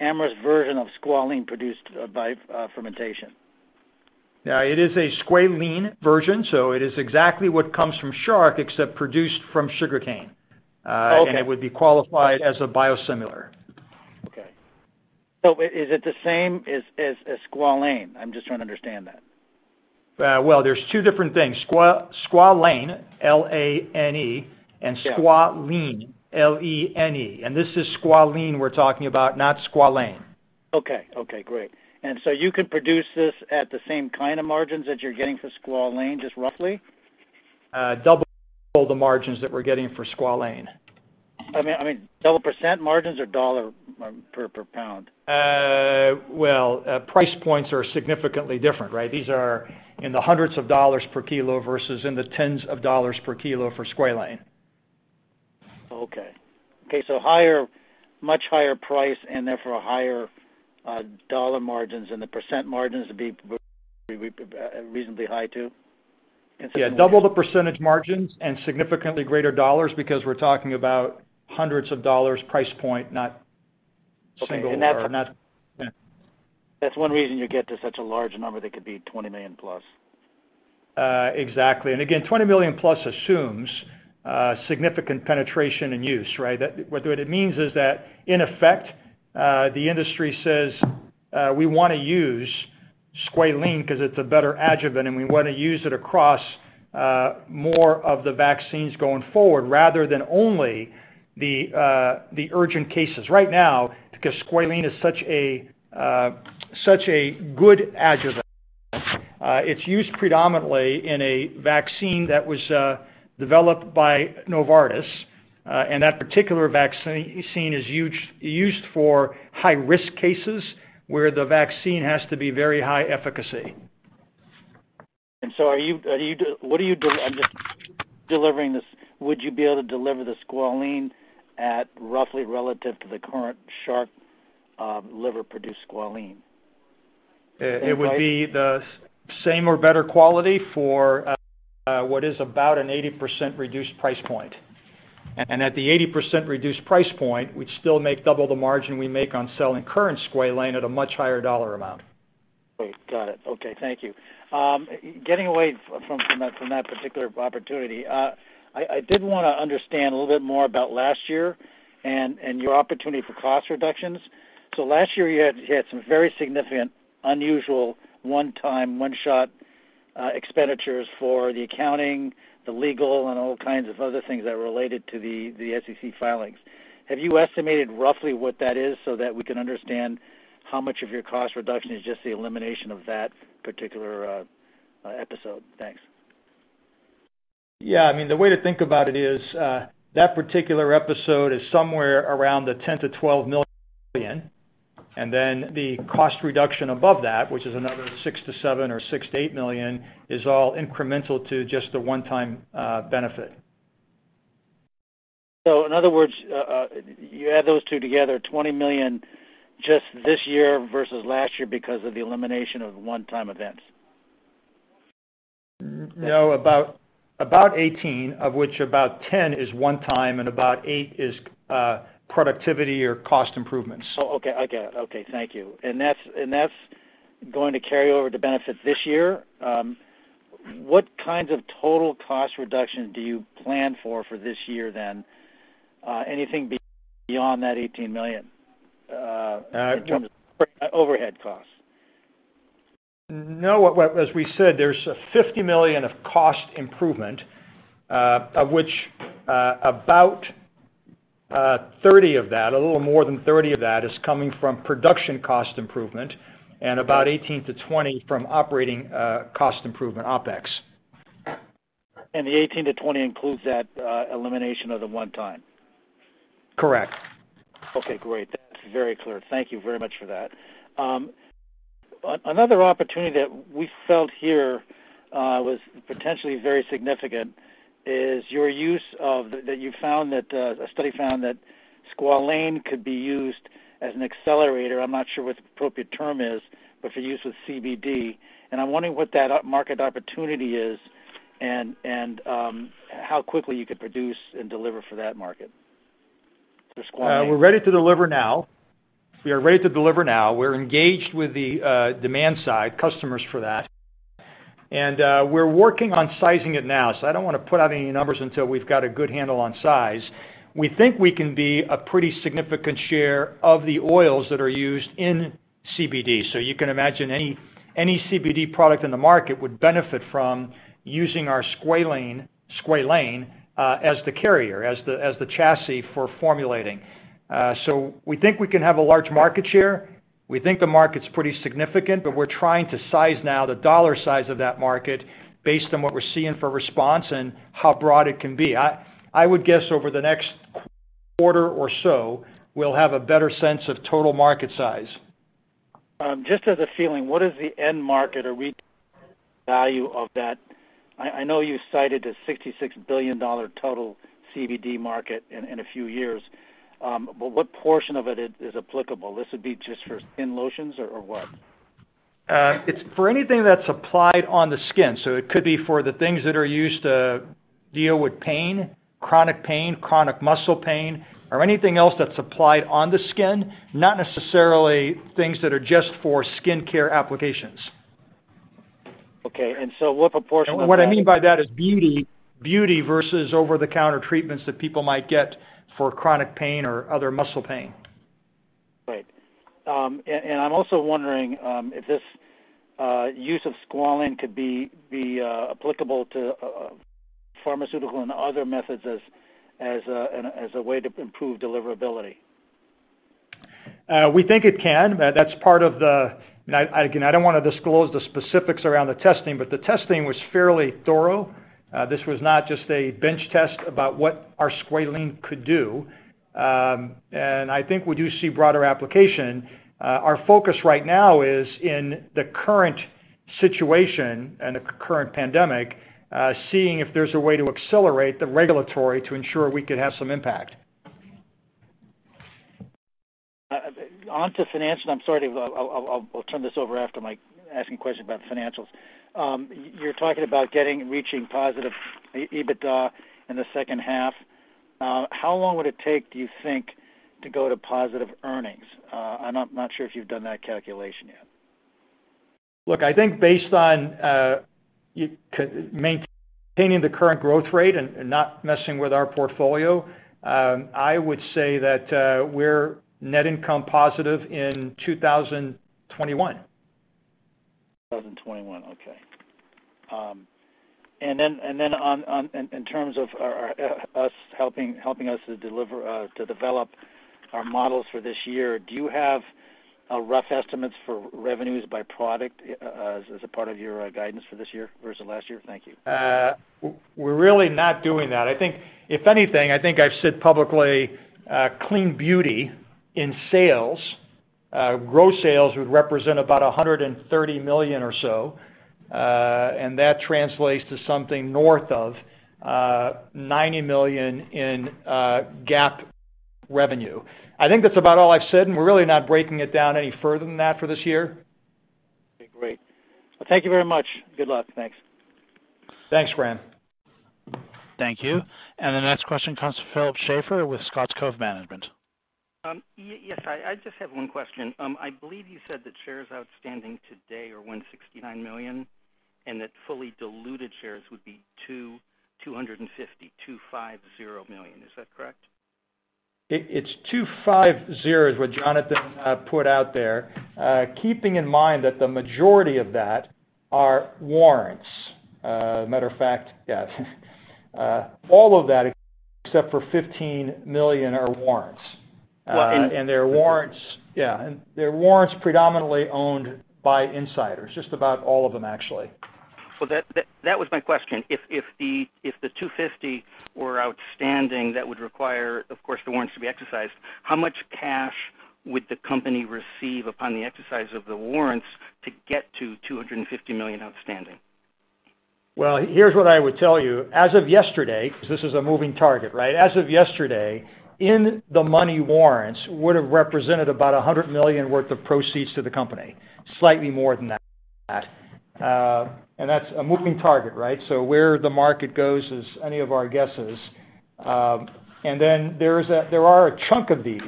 Amyris version of squalene produced by fermentation? Yeah. It is a squalene version, so it is exactly what comes from shark except produced from sugarcane. And it would be qualified as a biosimilar. Okay. So is it the same as squalane? I'm just trying to understand that. Well, there's two different things. Squalane, L-A-N-E, and squalene, L-E-N-E. And this is squalene we're talking about, not squalane. Okay. Okay. Great. And so you can produce this at the same kind of margins that you're getting for squalene, just roughly? Double the margins that we're getting for squalene. I mean, double % margins or dollar per pound? Well, price points are significantly different, right? These are in the hundreds of dollars per kilo versus in the tens of dollars per kilo for squalene. Okay. Okay. So much higher price and therefore higher dollar margins, and the % margins would be reasonably high too? Yeah. Double the % margins and significantly greater dollars because we're talking about hundreds of dollars price point, not single dollar. That's one reason you get to such a large number that could be $20 million plus. Exactly. And again, $20 million plus assumes significant penetration and use, right? What it means is that, in effect, the industry says, "We want to use squalene because it's a better adjuvant, and we want to use it across more of the vaccines going forward rather than only the urgent cases." Right now, because squalene is such a good adjuvant, it's used predominantly in a vaccine that was developed by Novartis. And that particular vaccine is used for high-risk cases where the vaccine has to be very high efficacy. And so what are you delivering this? Would you be able to deliver the squalene at roughly relative to the current shark liver-produced squalene? It would be the same or better quality for what is about an 80% reduced price point. And at the 80% reduced price point, we'd still make double the margin we make on selling current squalene at a much higher dollar amount. Great. Got it. Okay. Thank you. Getting away from that particular opportunity, I did want to understand a little bit more about last year and your opportunity for cost reductions. So last year, you had some very significant, unusual, one-time, one-shot expenditures for the accounting, the legal, and all kinds of other things that are related to the SEC filings. Have you estimated roughly what that is so that we can understand how much of your cost reduction is just the elimination of that particular episode? Thanks. Yeah. I mean, the way to think about it is that particular episode is somewhere around the $10-$12 million, and then the cost reduction above that, which is another $6-$7 or $6-$8 million, is all incremental to just the one-time benefit. So in other words, you add those two together, $20 million just this year versus last year because of the elimination of one-time events? No, about $18 million, of which about $10 million is one-time and about $8 million is productivity or cost improvements. Oh, okay. I get it. Okay. Thank you. And that's going to carry over to benefits this year. What kinds of total cost reduction do you plan for for this year then? Anything beyond that $18 million in terms of overhead costs? No. As we said, there's $50 million of cost improvement, of which about $30 million of that, a little more than $30 million of that, is coming from production cost improvement and about $18-$20 million from operating cost improvement, OpEx. And the $18-$20 million includes that elimination of the one-time? Correct. Okay. Great. That's very clear. Thank you very much for that. Another opportunity that we felt here was potentially very significant is your use of that you found that a study found that squalene could be used as an accelerator. I'm not sure what the appropriate term is, but for use with CBD, and I'm wondering what that market opportunity is and how quickly you could produce and deliver for that market for squalene. We're ready to deliver now. We are ready to deliver now. We're engaged with the demand side, customers for that, and we're working on sizing it now, so I don't want to put out any numbers until we've got a good handle on size. We think we can be a pretty significant share of the oils that are used in CBD, so you can imagine any CBD product in the market would benefit from using our squalene as the carrier, as the chassis for formulating. So we think we can have a large market share. We think the market's pretty significant, but we're trying to size now the dollar size of that market based on what we're seeing for response and how broad it can be. I would guess over the next quarter or so, we'll have a better sense of total market size. Just as a feeling, what is the end market or read value of that? I know you cited the $66 billion total CBD market in a few years, but what portion of it is applicable? This would be just for skin lotions or what? It's for anything that's applied on the skin. So it could be for the things that are used to deal with pain, chronic pain, chronic muscle pain, or anything else that's applied on the skin, not necessarily things that are just for skincare applications. And so what proportion of that? And what I mean by that is beauty versus over-the-counter treatments that people might get for chronic pain or other muscle pain. Right. And I'm also wondering if this use of squalene could be applicable to pharmaceutical and other methods as a way to improve deliverability. We think it can. That's part of the. Again, I don't want to disclose the specifics around the testing, but the testing was fairly thorough. This was not just a bench test about what our squalene could do. And I think we do see broader application. Our focus right now is in the current situation and the current pandemic, seeing if there's a way to accelerate the regulatory to ensure we could have some impact. Onto financial, I'm sorry to. I'll turn this over after my asking questions about the financials. You're talking about getting reaching positive EBITDA in the second half. How long would it take, do you think, to go to positive earnings? I'm not sure if you've done that calculation yet. Look, I think based on maintaining the current growth rate and not messing with our portfolio, I would say that we're net income positive in 2021. 2021. Okay. And then in terms of helping us to develop our models for this year, do you have rough estimates for revenues by product as a part of your guidance for this year versus last year? Thank you. We're really not doing that. I think, if anything, I think I've said publicly clean beauty in sales, gross sales would represent about $130 million or so, and that translates to something north of $90 million in GAAP revenue. I think that's about all I've said, and we're really not breaking it down any further than that for this year. Great. Well, thank you very much. Good luck. Thanks. Thanks, Graham. Thank you. And the next question comes from Philip Schaeffer with Scott's Cove Management. Yes, I just have one question. I believe you said that shares outstanding today are 169 million and that fully diluted shares would be 250, 250 million. Is that correct? It's 250 is what Jonathan put out there, keeping in mind that the majority of that are warrants. Matter of fact, yeah. All of that except for 15 million are warrants. And they're warrants. Yeah. And they're warrants predominantly owned by insiders, just about all of them, actually. Well, that was my question. If the 250 were outstanding, that would require, of course, the warrants to be exercised. How much cash would the company receive upon the exercise of the warrants to get to 250 million outstanding? Well, here's what I would tell you. As of yesterday, because this is a moving target, right? As of yesterday, in-the-money warrants would have represented about $100 million worth of proceeds to the company, slightly more than that, and that's a moving target, right? So where the market goes is anybody's guess, and then there are a chunk of these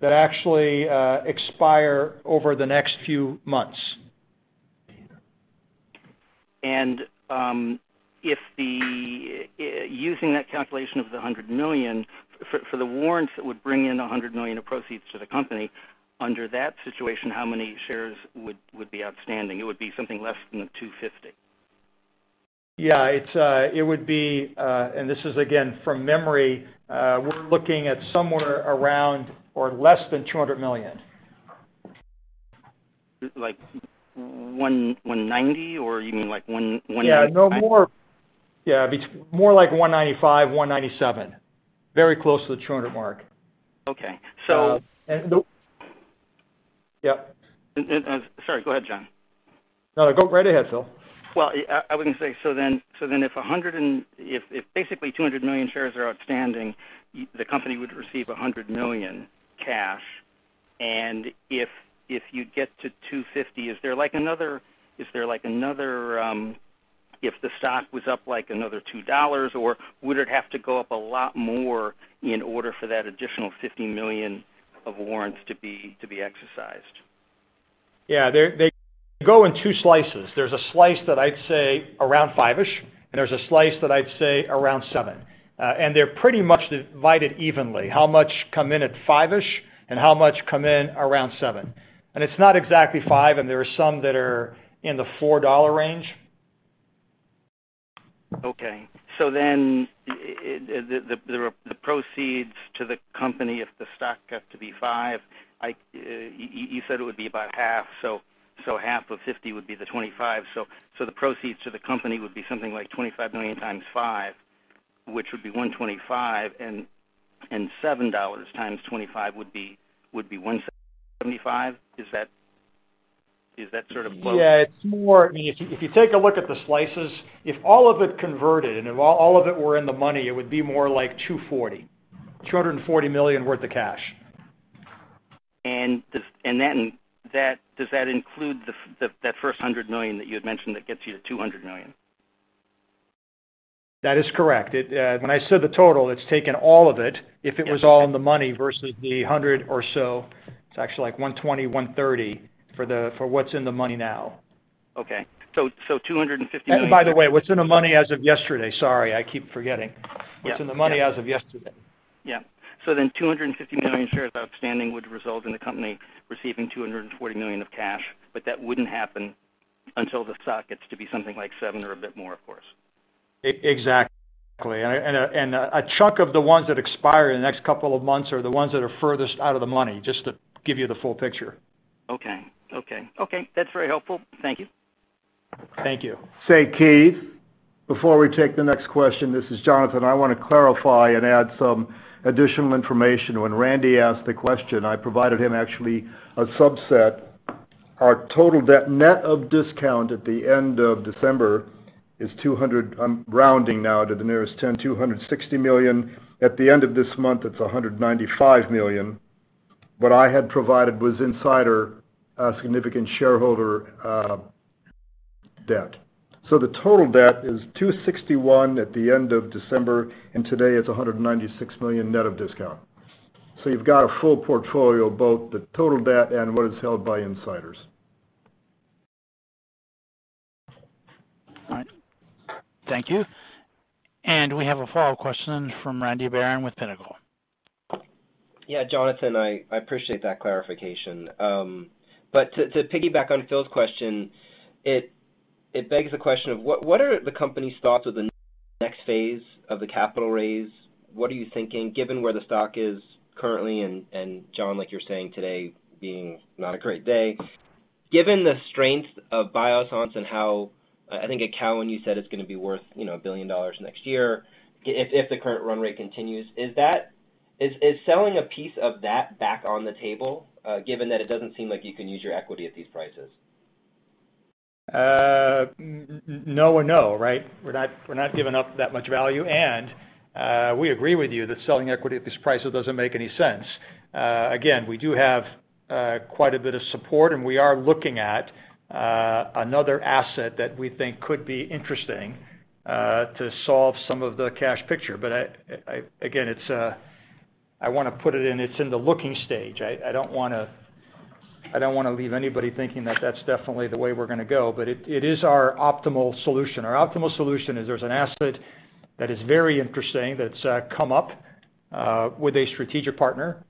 that actually expire over the next few months, and using that calculation of the $100 million for the warrants that would bring in $100 million of proceeds to the company, under that situation, how many shares would be outstanding? It would be something less than 250. It would be, and this is, again, from memory, we're looking at somewhere around or less than 200 million. Like 190 or you mean like 195? Yeah. No more. Yeah. More like 195, 197. Very close to the 200 mark. Go ahead, John. No, no. Go right ahead, Phil. Well, I was going to say, so then if basically 200 million shares are outstanding, the company would receive $100 million cash. And if you get to 250, is there like another, if the stock was up like another $2, or would it have to go up a lot more in order for that additional $50 million of warrants to be exercised? Yeah. They go in two slices. There's a slice that I'd say around $5-ish, and there's a slice that I'd say around $7. They're pretty much divided evenly, how much come in at 5-ish and how much come in around 7. It's not exactly 5, and there are some that are in the $4 range. Okay. So then the proceeds to the company, if the stock got to be 5, you said it would be about half. So half of 50 would be the 25. So the proceeds to the company would be something like 25 million times 5, which would be 125, and $7 times 25 would be 175. Is that sort of close? Yeah. I mean, if you take a look at the slices, if all of it converted and if all of it were in the money, it would be more like 240, 240 million worth of cash. Does that include that first 100 million that you had mentioned that gets you to 200 million? That is correct. When I said the total, it's taken all of it. If it was all in the money versus the 100 or so, it's actually like 120, 130 for what's in the money now. Okay. So 250 million. And by the way, what's in the money as of yesterday? Sorry. I keep forgetting. What's in the money as of yesterday? Yeah. So then 250 million shares outstanding would result in the company receiving $240 million of cash, but that wouldn't happen until the stock gets to be something like 7 or a bit more, of course. Exactly. And a chunk of the ones that expire in the next couple of months are the ones that are furthest out of the money, just to give you the full picture. Okay. Okay. Okay. That's very helpful. Thank you. Thank you. Say, Keith, before we take the next question, this is Jonathan. I want to clarify and add some additional information. When Randy asked the question, I provided him actually a subset. Our total net of discount at the end of December is $200 million. I'm rounding now to the nearest 10, $260 million. At the end of this month, it's $195 million. What I had provided was insider significant shareholder debt. So the total debt is $261 million at the end of December, and today it's $196 million net of discount. So you've got a full portfolio, both the total debt and what is held by insiders. All right. Thank you. And we have a follow-up question from Randy Baron with Pinnacle. Yeah, Jonathan, I appreciate that clarification. But to piggyback on Phil's question, it begs the question of what are the company's thoughts of the next phase of the capital raise? What are you thinking, given where the stock is currently and, John, like you're saying today, being not a great day, given the strength of Biossance and how I think at Cowen, you said it's going to be worth $1 billion next year if the current run rate continues. Is selling a piece of that back on the table, given that it doesn't seem like you can use your equity at these prices? No and no, right? We're not giving up that much value. And we agree with you that selling equity at these prices doesn't make any sense. Again, we do have quite a bit of support, and we are looking at another asset that we think could be interesting to solve some of the cash picture. But again, I want to put it in its the looking stage. I don't want to leave anybody thinking that that's definitely the way we're going to go, but it is our optimal solution. Our optimal solution is there's an asset that is very interesting that's come up with a strategic partner.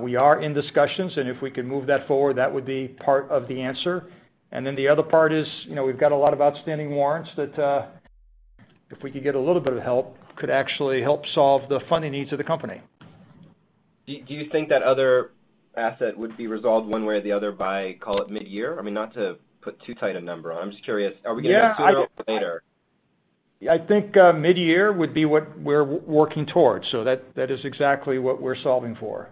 We are in discussions, and if we could move that forward, that would be part of the answer, and then the other part is we've got a lot of outstanding warrants that, if we could get a little bit of help, could actually help solve the funding needs of the company. Do you think that other asset would be resolved one way or the other by, call it mid-year? I mean, not to put too tight a number on it. I'm just curious. Are we going to have to do it later? I think mid-year would be what we're working towards, so that is exactly what we're solving for.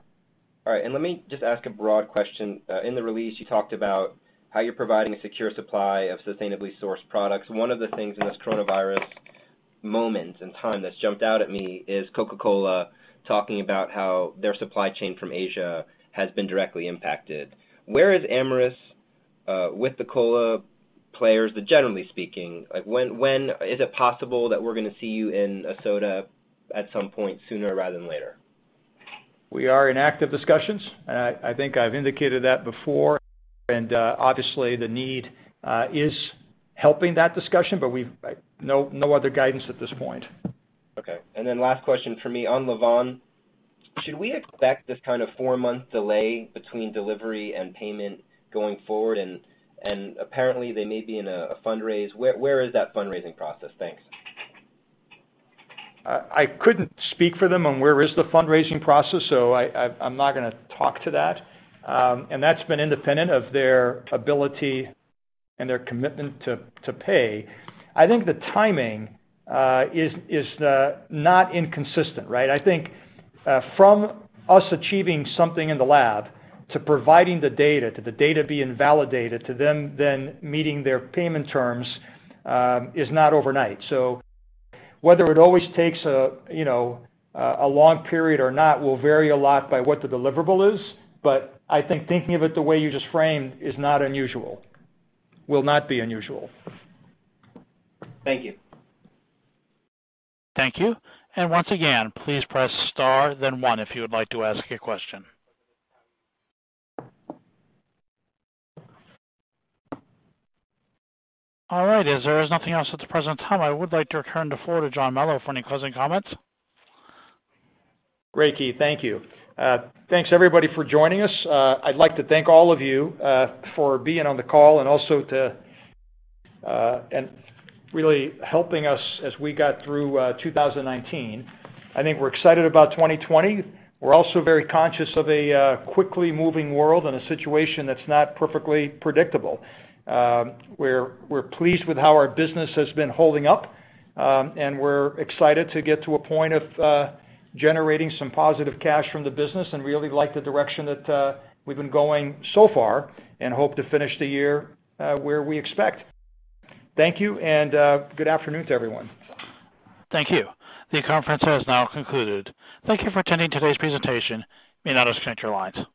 All right. And let me just ask a broad question. In the release, you talked about how you're providing a secure supply of sustainably sourced products. One of the things in this coronavirus moment and time that's jumped out at me is Coca-Cola talking about how their supply chain from Asia has been directly impacted. Where is Amyris with the cola players that generally speaking? Is it possible that we're going to see you in a soda at some point sooner rather than later? We are in active discussions. I think I've indicated that before. And obviously, the need is helping that discussion, but no other guidance at this point. Okay. And then last question for me on Lavvan. Should we expect this kind of four-month delay between delivery and payment going forward? And apparently, they may be in a fundraise. Where is that fundraising process? Thanks. I couldn't speak for them on where is the fundraising process, so I'm not going to talk to that. And that's been independent of their ability and their commitment to pay. I think the timing is not inconsistent, right? I think from us achieving something in the lab to providing the data to the data being validated to them then meeting their payment terms is not overnight. So whether it always takes a long period or not will vary a lot by what the deliverable is. But I think thinking of it the way you just framed is not unusual, will not be unusual. Thank you. Thank you. And once again, please press star, then one if you would like to ask your question. All right. As there is nothing else at the present time, I would like to return the floor to John Melo for any closing comments. Ricky, thank you. Thanks, everybody, for joining us. I'd like to thank all of you for being on the call and also to really helping us as we got through 2019. I think we're excited about 2020. We're also very conscious of a quickly moving world and a situation that's not perfectly predictable. We're pleased with how our business has been holding up, and we're excited to get to a point of generating some positive cash from the business and really like the direction that we've been going so far and hope to finish the year where we expect. Thank you, and good afternoon to everyone. Thank you. The conference has now concluded. Thank you for attending today's presentation. You may now disconnect your lines.